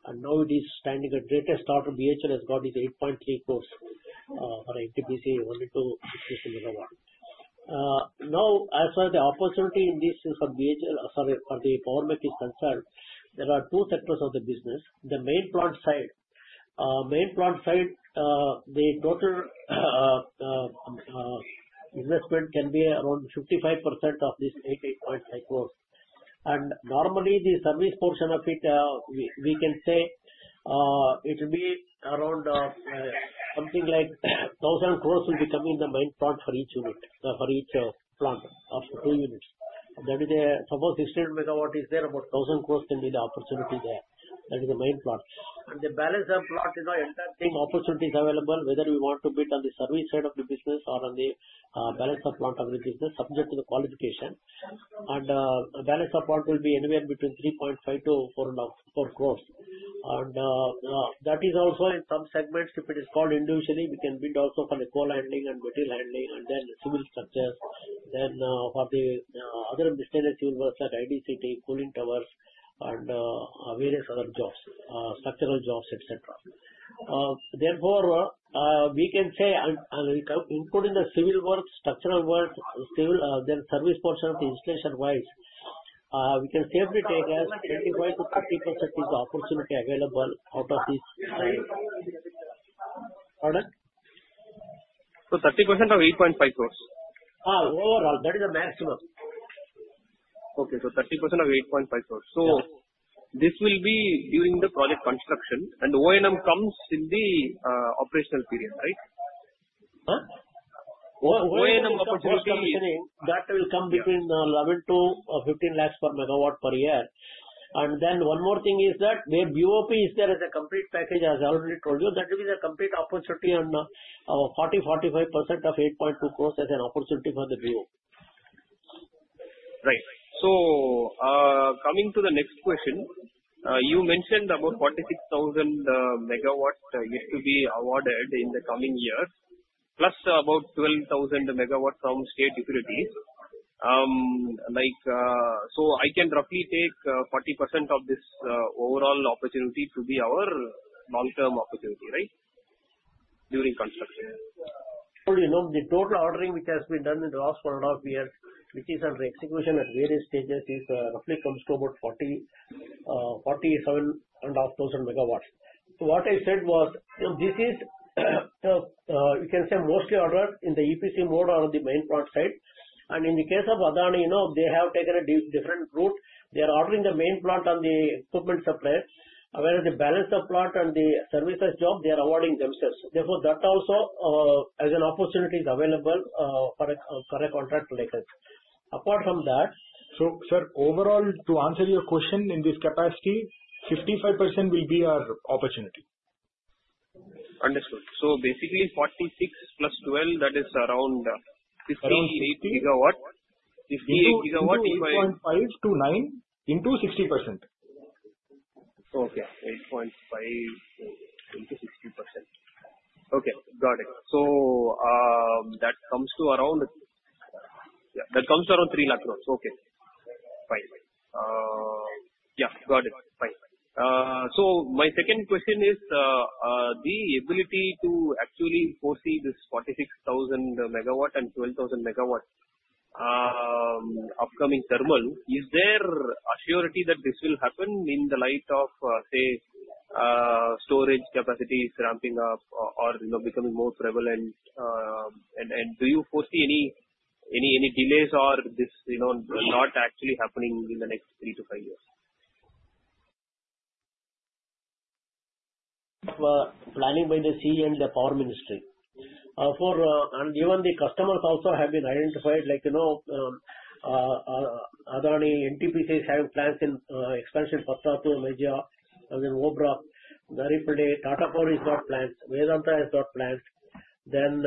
And now it is standing at greatest order BHEL has got is 8.3 crore for 800 MW, 1 to 6.0 per MW. Now, as for the opportunity in this for the Power Mech is concerned, there are two sectors of the business. The main plant side, main plant side, the total investment can be around 55% of this 8.5 crore. And normally, the service portion of it, we can say it will be around something like 1,000 crore will be coming in the main plant for each unit, for each plant of two units. That is, suppose 1,600 MW is there, about 1,000 crore can be the opportunity there. That is the main plant. And the balance of plant is all entailing opportunities available, whether we want to bid on the service side of the business or on the balance of plant of the business, subject to the qualification. And the balance of plant will be anywhere between 3.5 crore-4 crore. And that is also in some segments, if it is called individually, we can bid also for the coal handling and material handling, and then civil structures, then for the other miscellaneous civil works like IDCT, cooling towers, and various other jobs, structural jobs, etc. Therefore, we can say, including the civil works, structural works, then service portion of the installation wise, we can safely take as 25%-30% is the opportunity available out of this side. Pardon? So 30% of 8.5 crore? Overall. That is the maximum. Okay. So 30% of 8.5 crore. This will be during the project construction, and O&M comes in the operational period, right? O&M opportunity that will come between 11 lakhs-15 lakhs per MW per year. And then one more thing is that the BOP is there as a complete package, as I already told you. That gives a complete opportunity on 40%-45% of 8.2 crore as an opportunity for the BO. Right. Coming to the next question, you mentioned about 46,000 MW yet to be awarded in the coming year, plus about 12,000 MW from state utilities. I can roughly take 40% of this overall opportunity to be our long-term opportunity, right, during construction? The total ordering which has been done in the last one and a half years, which is under execution at various stages, roughly comes to about 47,500 MW. So what I said was, this is, you can say, mostly ordered in the EPC mode on the main plant side. And in the case of Adani, they have taken a different route. They are ordering the main plant on the equipment supplier, whereas the balance of plant and the service job, they are awarding themselves. Therefore, that also as an opportunity is available for a contract like it. Apart from that. So, sir, overall, to answer your question, in this capacity, 55% will be our opportunity. Understood. So basically 46 plus 12, that is around 15 MW. 15 MW if I 8.5-9 into 60%. Okay. 8.5 into 60%. Okay. Got it. So that comes to around, yeah, that comes to around 3 lakh crore. Okay. Fine. Yeah. Got it. Fine. So my second question is the ability to actually foresee this 46,000 MW and 12,000 MW upcoming thermal. Is there a surety that this will happen in the light of, say, storage capacities ramping up or becoming more prevalent? And do you foresee any delays or this not actually happening in the next three to five years? Planning by the CE and the Power Ministry. And even the customers also have been identified, like Adani, NTPC is having plans in expansion Patratu, Meja, then Obra, Nabinagar, Tata Power has got plans, Vedanta has got plans. Then,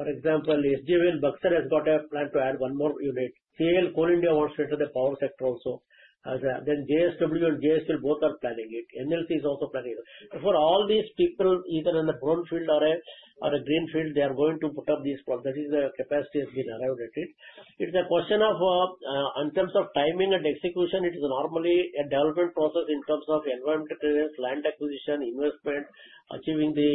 for example, SJV and Buxar has got a plan to add one more unit. KL, Coal India wants to enter the power sector also. Then JSW and JSPL both are planning it. NLC is also planning. For all these people, either in the brownfield or a greenfield, they are going to put up these projects. That is the capacity has been arrived at it. It's a question of, in terms of timing and execution, it is normally a development process in terms of environmental clearance, land acquisition, investment, achieving the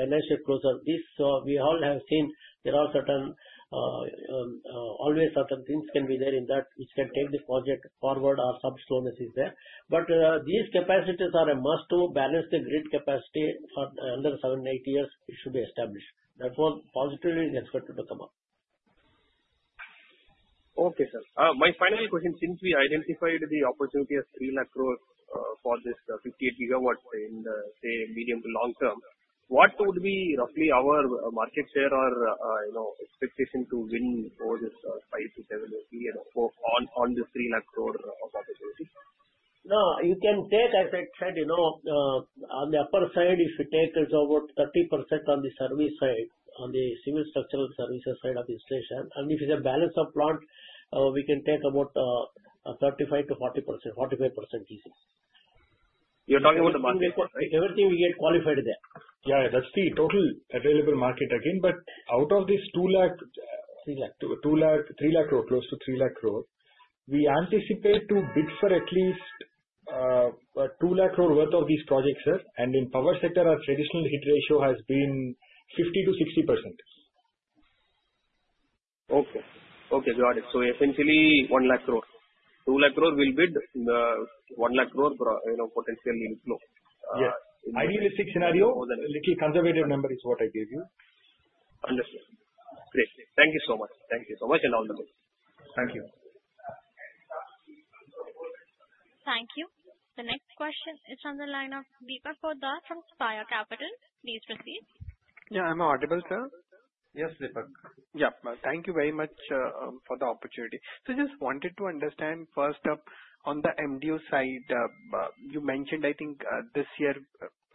financial closure. This, we all have seen, there are certain, always certain things can be there in that which can take the project forward or some slowness is there. But these capacities are a must to balance the grid capacity for another seven, eight years it should be established. That was positively expected to come up. Okay, sir. My final question, since we identified the opportunity as 3 lakh crore for this 58 GW in, say, medium- to long-term, what would be roughly our market share or expectation to win over this 5- to 7-year period on this INR 3 lakh crore of opportunity? No, you can take, as I said, on the upper side, if you take about 30% on the service side, on the civil structural services side of installation. And if it's a balance of plant, we can take about 35%-40%, 45% easy. You're talking about the market share, right? Everything we get qualified there. Yeah. That's the total available market again. But out of this 2 lakh crore, close to 3 lakh crore, we anticipate to bid for at least 2 lakh crore worth of these projects, sir. And in power sector, our traditional hit ratio has been 50%-60%. Okay. Okay. Got it. So essentially 1 lakh crore. 2 lakh crore will bid 1 lakh crore potentially inflow. Idealistic scenario, a little conservative number is what I gave you. Understood. Great. Thank you so much. Thank you so much and all the best. Thank you. Thank you. The next question is from the line of Deepak Poddar from Sapphire Capital. Please proceed. Yeah. I'm audible, sir? Yes, Deepak. Yeah. Thank you very much for the opportunity. So just wanted to understand, first up, on the MDO side, you mentioned, I think, this year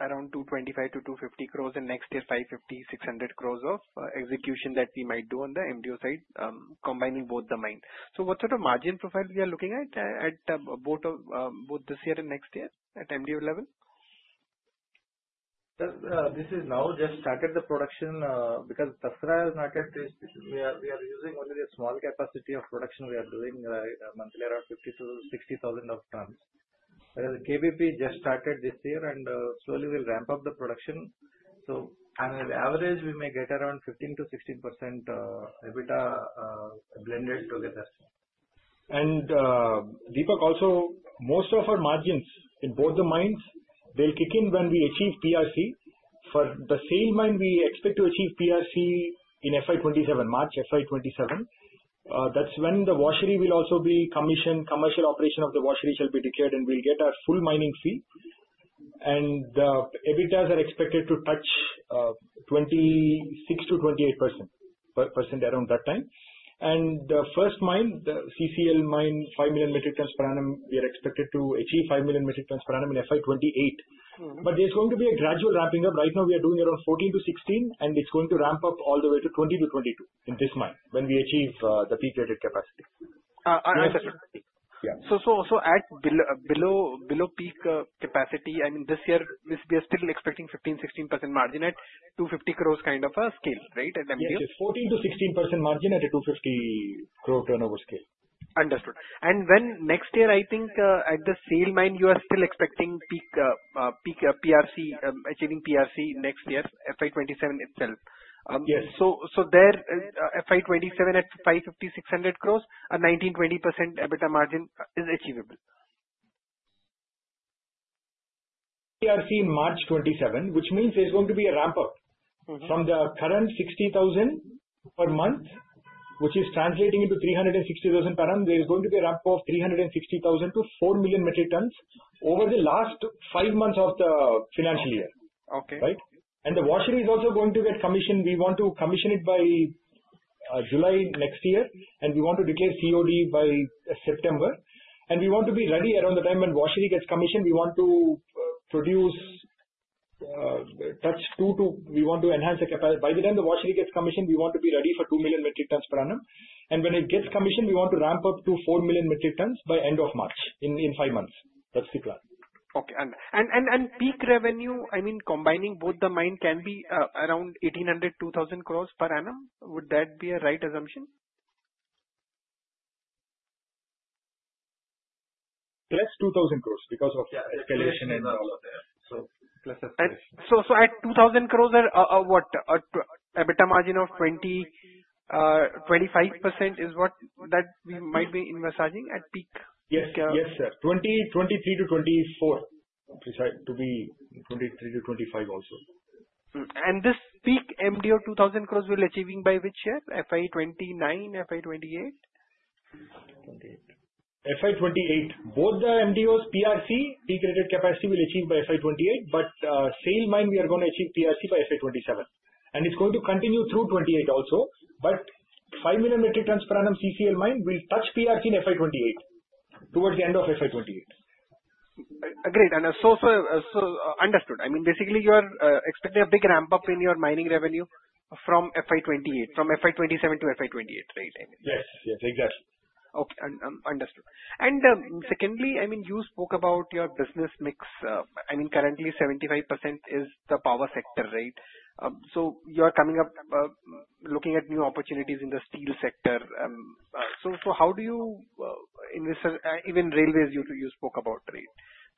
around 225 crore-250 crore and next year 550 crore-600 crore of execution that we might do on the MDO side, combining both the mine. So what sort of margin profile we are looking at both this year and next year at MDO level? This is now just started the production because Tasra has not yet we are using only the small capacity of production we are doing monthly around 50-60 thousand tons. KBP just started this year and slowly will ramp up the production. So on an average, we may get around 15%-16% EBITDA blended together. And Deepak also, most of our margins in both the mines, they'll kick in when we achieve PRC. For the Tasra mine, we expect to achieve PRC in FY 2027, March FY 2027. That's when the washery will also be commissioned, commercial operation of the washery shall be declared, and we'll get our full mining fee. And the EBITDAs are expected to touch 26%-28% around that time. The first mine, the CCL mine, 5 million metric tons per annum, we are expected to achieve 5 million metric tons per annum in FY 2028. There's going to be a gradual ramping up. Right now, we are doing around 14-16, and it's going to ramp up all the way to 20-22 in this mine when we achieve the peak rated capacity. Understood. So at below peak capacity, I mean, this year, we are still expecting 15%-16% margin at 250 crore kind of a scale, right, at MDO? Yes. 14%-16% margin at a 250 crore turnover scale. Understood. And then next year, I think at the SAIL mine, you are still expecting peak achieving PRC next year, FY 2027 itself. So there, FY 2027 at 550 crore-600 crore, a 19%-20% EBITDA margin is achievable? PRC March 27, which means there's going to be a ramp up from the current 60,000 per month, which is translating into 360,000 per annum. There's going to be a ramp up of 360,000-4 million metric tons over the last five months of the financial year, right? And the washery is also going to get commissioned. We want to commission it by July next year, and we want to declare COD by September. And we want to be ready around the time when the washery gets commissioned. We want to produce to two to we want to enhance the capacity. By the time the washery gets commissioned, we want to be ready for 2 million metric tons per annum. And when it gets commissioned, we want to ramp up to 4 million metric tons by end of March in five months. That's the plan. Okay. Peak revenue, I mean, combining both the mines can be around 1,800 crore-2,000 crore per annum. Would that be a right assumption? Plus 2,000 crore because of escalation and all of that. So at 2,000 crore, what, EBITDA margin of 25% is what that we might be investing at peak? Yes, sir. 23% to 24%. To be 23%-25% also. And this peak MDO 2,000 crore will achieving by which year? FY 2029, FY 2028? FY 2028. Both the MDOs, PRC, peak rated capacity will achieve by FY 2028, but same mine, we are going to achieve PRC by FY 2027. And it's going to continue through 28 also. But 5 million metric tons per annum CCL mine will touch PRC in FY 2028 towards the end of FY 2028. Great. And so understood. I mean, basically, you are expecting a big ramp up in your mining revenue from FY 2028, from FY 2027 to FY 2028, right? Yes. Yes. Exactly. Okay. Understood. And secondly, I mean, you spoke about your business mix. I mean, currently, 75% is the power sector, right? So you are coming up looking at new opportunities in the steel sector. So how do you see even railways you spoke about, right?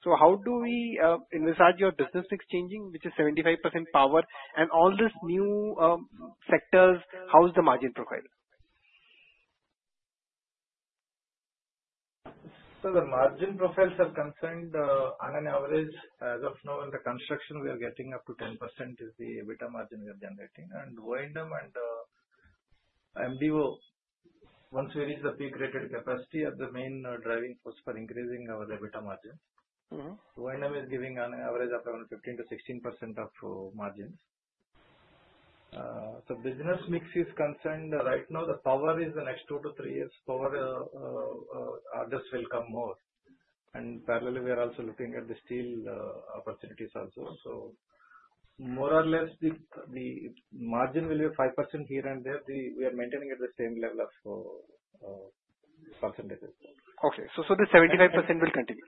So how do we see your business mix changing, which is 75% power? And all these new sectors, how is the margin profile? So the margin profile, sir, currently on an average, as of now, in the construction, we are getting up to 10% is the EBITDA margin we are generating. And O&M and MDO, once we reach the peak rated capacity, are the main driving force for increasing our EBITDA margin. O&M is giving on average up around 15%-16% of margins. The business mix is concerned right now. The power is the next two to three years. Power orders will come more. And parallelly, we are also looking at the steel opportunities also. So more or less, the margin will be 5% here and there. We are maintaining at the same level of percentages. Okay. So the 75% will continue?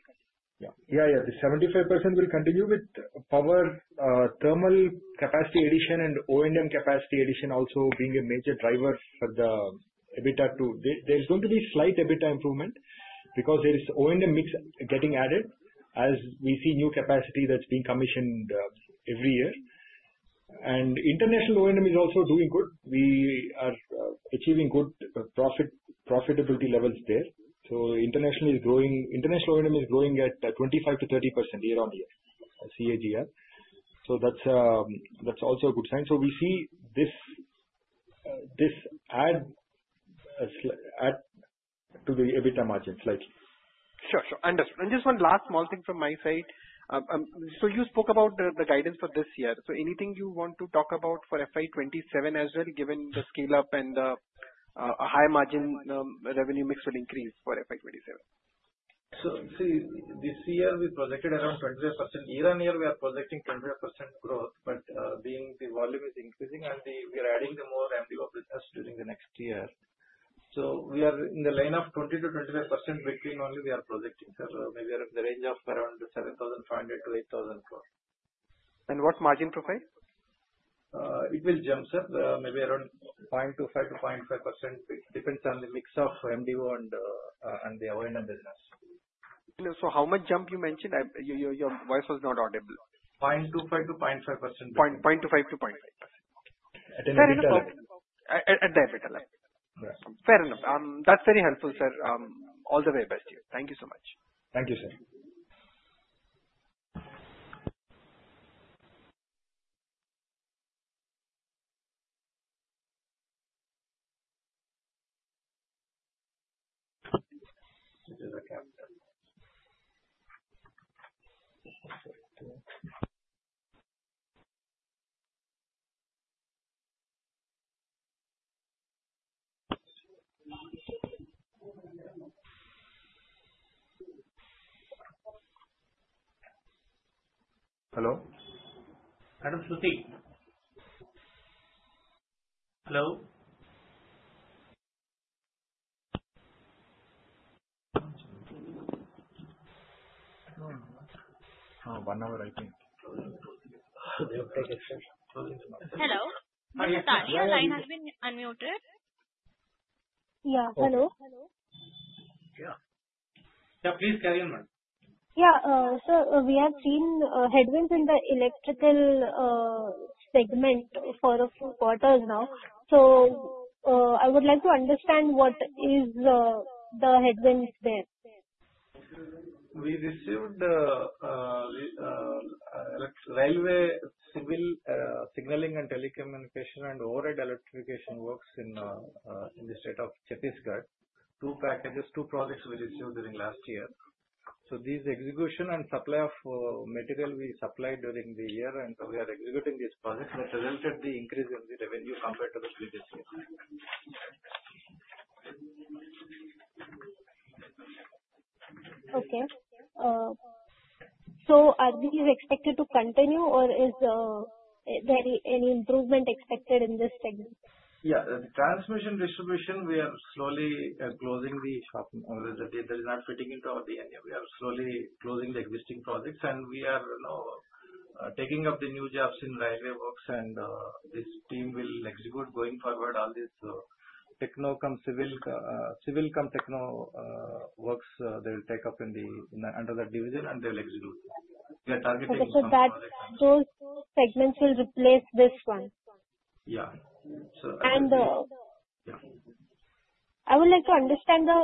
Yeah. Yeah. Yeah. The 75% will continue with power, thermal capacity addition, and O&M capacity addition also being a major driver for the EBITDA too. There is going to be slight EBITDA improvement because there is O&M mix getting added as we see new capacity that is being commissioned every year. And international O&M is also doing good. We are achieving good profitability levels there. So international O&M is growing at 25%-30% year on year, CAGR. So that is also a good sign. So we see this add to the EBITDA margin slightly. Sure. Sure. Understood. And just one last small thing from my side. So you spoke about the guidance for this year. So anything you want to talk about for FY 2027 as well, given the scale-up and the high margin revenue mix will increase for FY 2027? So this year, we projected around 25%. Year on year, we are projecting 25% growth, but being the volume is increasing and we are adding the more MDO business during the next year. So we are in the line of 20%-25% between only we are projecting, sir. Maybe in the range of around 7,500 crore-8,000 crore. And what margin profile? It will jump, sir. Maybe around 0.25%-0.5%. It depends on the mix of MDO and the O&M business. So how much jump you mentioned? Your voice was not audible. 0.25%-0.5%. At any time. Fair enough. At the EBITDA level. Fair enough. That's very helpful, sir. All the very best to you. Thank you so much. Thank you, sir. Hello? Madam Shashi. Hello? One hour, I think. Hello. Madam Shashi, your line has been unmuted. Yeah. Hello. Yeah. Please carry on, ma'am. Yeah. So we have seen headwinds in the electrical segment for a few quarters now. So I would like to understand what is the headwinds there. We received railway signaling and telecommunication and overhead electrification works in the state of Chhattisgarh. Two packages, two projects we received during last year. So these execution and supply of material we supplied during the year and we are executing these projects that resulted in the increase in the revenue compared to the previous year. Okay. So are these expected to continue, or is there any improvement expected in this segment? Yeah. Transmission distribution, we are slowly closing the shop. There's not fitting into all the annual. We are slowly closing the existing projects, and we are taking up the new jobs in railway works, and this team will execute going forward all these techno-cum-civil-cum-techno works they will take up under the division, and they will execute. We are targeting in some projects. So those segments will replace this one. Yeah. And I would like to understand the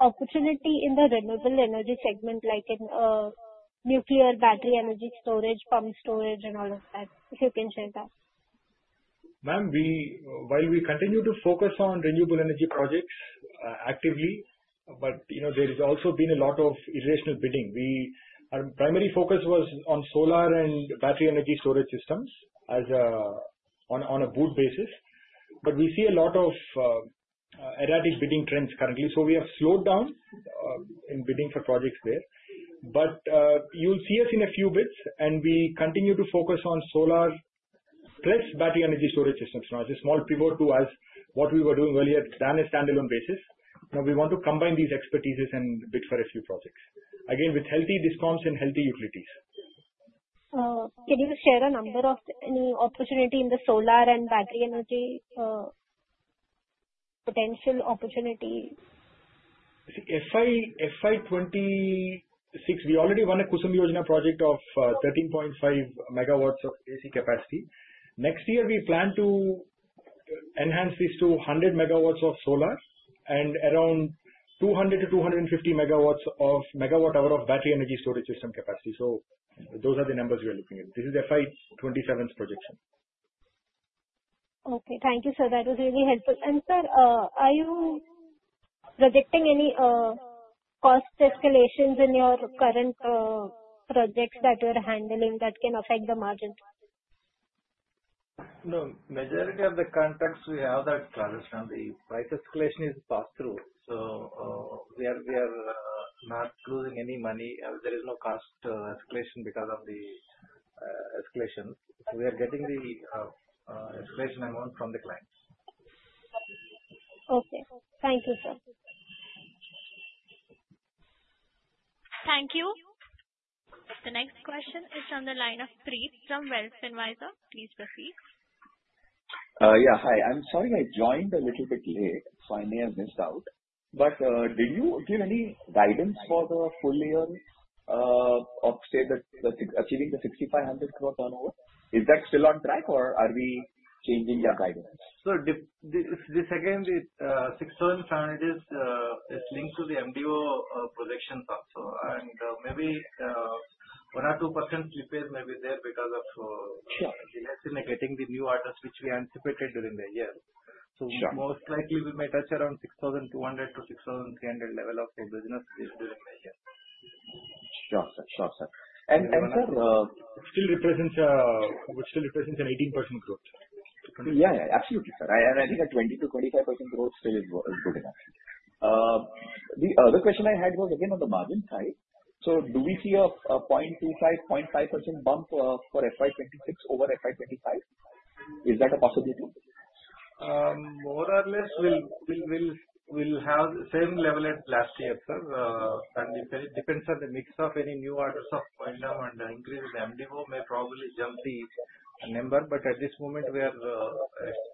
opportunity in the renewable energy segment like nuclear battery energy storage, pump storage, and all of that. If you can share that. Ma'am, while we continue to focus on renewable energy projects actively, but there has also been a lot of irrational bidding. Our primary focus was on solar and battery energy storage systems on a BOOT basis. But we see a lot of erratic bidding trends currently. So we have slowed down in bidding for projects there. But you'll see us in a few bids and we continue to focus on solar plus battery energy storage systems. Now, it's a small pivot to what we were doing earlier from a standalone basis. Now, we want to combine these expertises and bid for a few projects. Again, with healthy discounts and healthy utilities. Can you share a number of any opportunity in the solar and battery energy potential opportunity? See, FY 2026, we already won a Kusum Yojana project of 13.5 MW of AC capacity. Next year, we plan to enhance this to 100 MW of solar and around 200-250 MW of MWh of battery energy storage system capacity. So those are the numbers we are looking at. This is FY 2027's projection. Okay. Thank you, sir. That was really helpful. And sir, are you predicting any cost escalations in your current projects that you are handling that can affect the margin? The majority of the contracts we have that are established on the price escalation is passed through. So we are not losing any money. There is no cost escalation because of the escalation. We are getting the escalation amount from the clients. Okay. Thank you, sir. Thank you. The next question is from the line of Preet from Wealth Advisor. Please proceed. Yeah. Hi. I'm sorry I joined a little bit late, so I may have missed out. But did you give any guidance for the full year of achieving the 6,500 crore turnover? Is that still on track or are we changing your guidance? This again, the 6,500 crore is linked to the MDO projections also. Maybe 1% or 2% slippage may be there because of getting the new orders, which we anticipated during the year. Most likely, we may touch around 6,200 crore-6,300 crore level of the business during the year. Sure. Sure. Sure. Sir, it still represents an 18% growth. Yeah. Yeah. Absolutely, sir. I think a 20%-25% growth still is good enough. The other question I had was again on the margin side. Do we see a 0.25%, 0.5% bump for FY 2026 over FY 2025? Is that a possibility? More or less, we'll have the same level as last year, sir. It depends on the mix of any new orders of Goindam and increase in MDO may probably jump the number. But at this moment, we are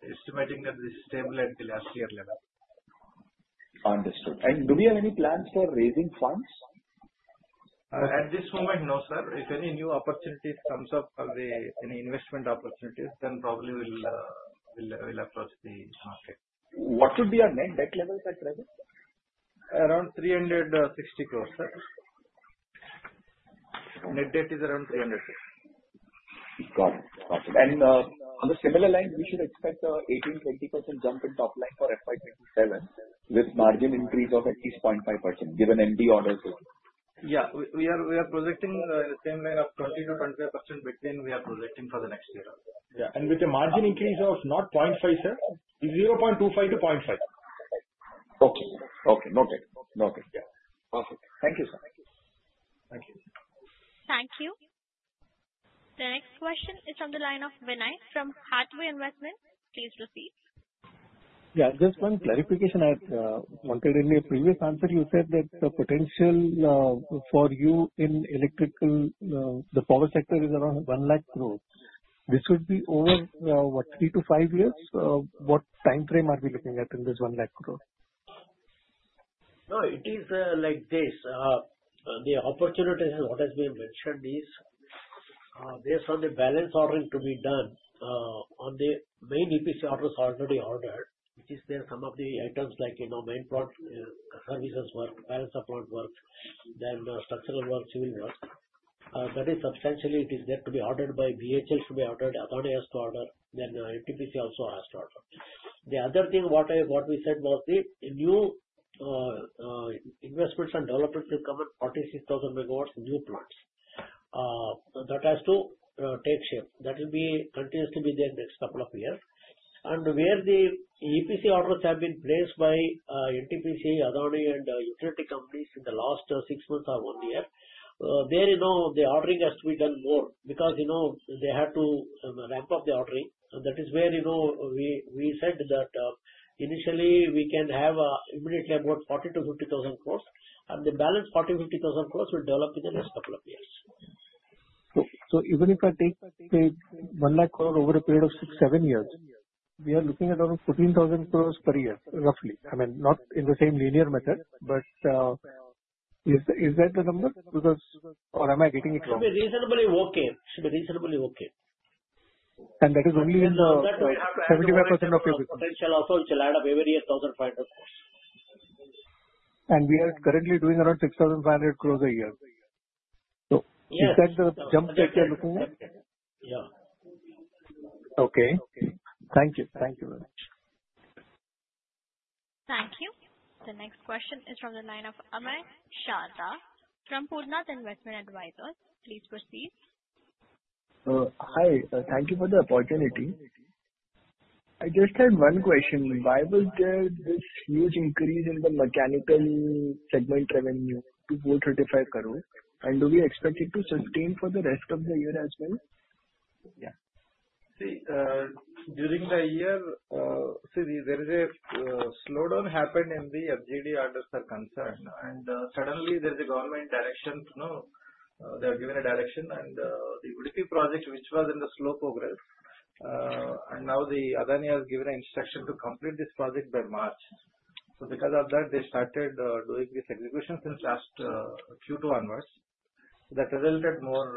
estimating that this is stable at the last year level. Understood. And do we have any plans for raising funds? At this moment, no, sir. If any new opportunities comes up or any investment opportunities, then probably we'll approach the market. What would be our net debt level at present? Around 360 crore, sir. Net debt is around 300 crore. Got it. Got it. And on a similar line, we should expect an 18%-20% jump in top line for FY 2027 with margin increase of at least 0.5% given MD orders as well. Yeah. We are projecting in the same line of 20%-25% between. We are projecting for the next year also. Yeah. And with a margin increase of not 0.5%, sir. It's 0.25%-0.5%. Okay. Okay. Noted. Noted. Perfect. Thank you, sir. Thank you. Thank you. The next question is from the line of Vinay from Hathway Investments. Please proceed. Yeah. Just one clarification. I wanted in your previous answer, you said that the potential for you in electrical, the power sector is around 1 lakh crore. This would be over what, three to five years? What time frame are we looking at in this 1 lakh crore? No. It is like this. The opportunity what has been mentioned is based on the balance ordering to be done on the main EPC orders already ordered, which is there some of the items like main plant services work, balance of plant work, then structural work, civil work. That is substantially, it is there to be ordered by BHEL to be ordered, Adani has to order, then NTPC also has to order. The other thing what we said was the new investments and developments will come at 46,000 MW new plants. That has to take shape. That will continuously be there next couple of years. And where the EPC orders have been placed by NTPC, Adani, and utility companies in the last six months or one year, there the ordering has to be done more because they had to ramp up the ordering. And that is where we said that initially, we can have immediately about 40 thousand crore-50 thousand crore. And the balance INR 40thousand crore- 50 thousand crore will develop in the next couple of years. So even if I take 1 lakh crore over a period of six-seven years, we are looking at around 14,000 crore per year, roughly. I mean, not in the same linear method, but is that the number? Or am I getting it wrong? It should be reasonably okay. And that is only in the 75% of your business. Potential also which will add up every year 1,500 crore. And we are currently doing around 6,500 crore a year. So is that the jump that you're looking at? Yeah. Okay. Thank you. Thank you very much. Thank you. The next question is from the line of Amay Sharda from Purnartha Investment Advisors. Please proceed. Hi. Thank you for the opportunity. I just had one question. Why was there this huge increase in the mechanical segment revenue to 435 crore? And do we expect it to sustain for the rest of the year as well? Yeah. See, during the year, see, there is a slowdown happened in the FGD orders that concern. And suddenly, there is a government direction. They have given a direction. The Udupi project, which was in slow progress, and now Adani has given an instruction to complete this project by March. Because of that, they started doing this execution since last Q2 onwards. That resulted in more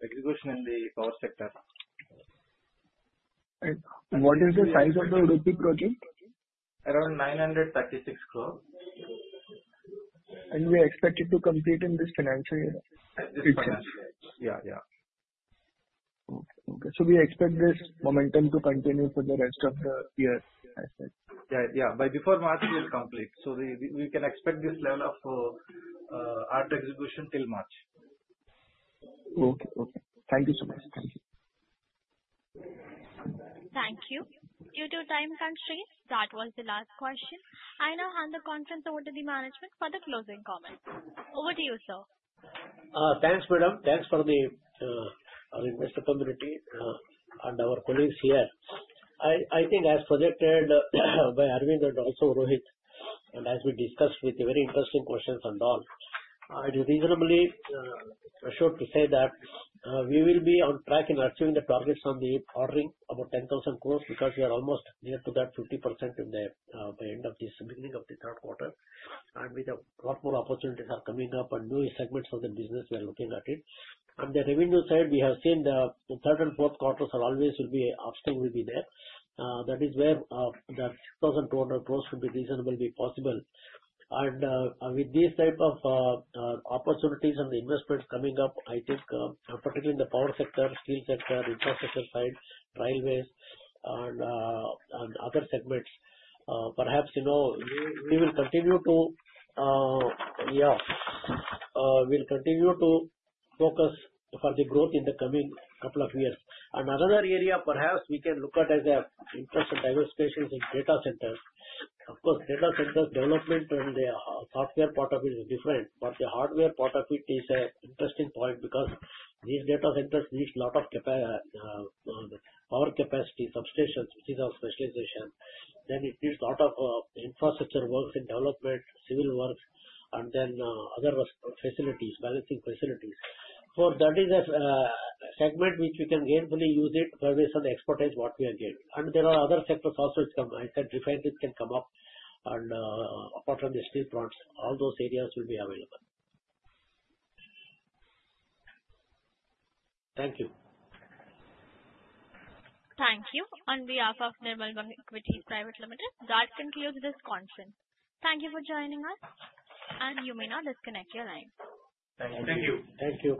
execution in the power sector. What is the size of the Udupi project? Around 936 crore. We are expected to complete in this financial year? This financial year. Yeah. Yeah. Okay. We expect this momentum to continue for the rest of the year. Yeah. Yeah. By before March will complete. We can expect this level of order execution till March. Okay. Okay. Thank you so much. Thank you. Thank you. Due to time constraints, that was the last question. I now hand the conference over to the management for the closing comments. Over to you, sir. Thanks, madam. Thanks for the investor community and our colleagues here. I think as projected by Aravind and also Rohit, and as we discussed with the very interesting questions and all, it is reasonably assured to say that we will be on track in achieving the targets on the ordering about 10,000 crore because we are almost near to that 50% by the end of this beginning of the third quarter, and with a lot more opportunities are coming up and new segments of the business we are looking at it. And the revenue side, we have seen the third and fourth quarters are always will be upstream will be there. That is where the 6,200 crore would be reasonably possible. And with these type of opportunities and the investments coming up, I think, particularly in the power sector, steel sector, infrastructure side, railways, and other segments, perhaps we will continue to. We'll continue to focus for the growth in the coming couple of years. And another area perhaps we can look at as an interesting diversification is data centers. Of course, data centers development and the software part of it is different. But the hardware part of it is an interesting point because these data centers need a lot of power capacity, substations, which is our specialization. Then it needs a lot of infrastructure works and development, civil works, and then other facilities, balancing facilities. So that is a segment which we can gainfully use it based on the expertise what we are gaining. And there are other sectors also which I said differently can come up. And apart from the steel plants, all those areas will be available. Thank you. Thank you. On behalf of Nirmal Bang Equities Private Limited, that concludes this conference. Thank you for joining us. And you may now disconnect your line. Thank you. Thank you. Thank you.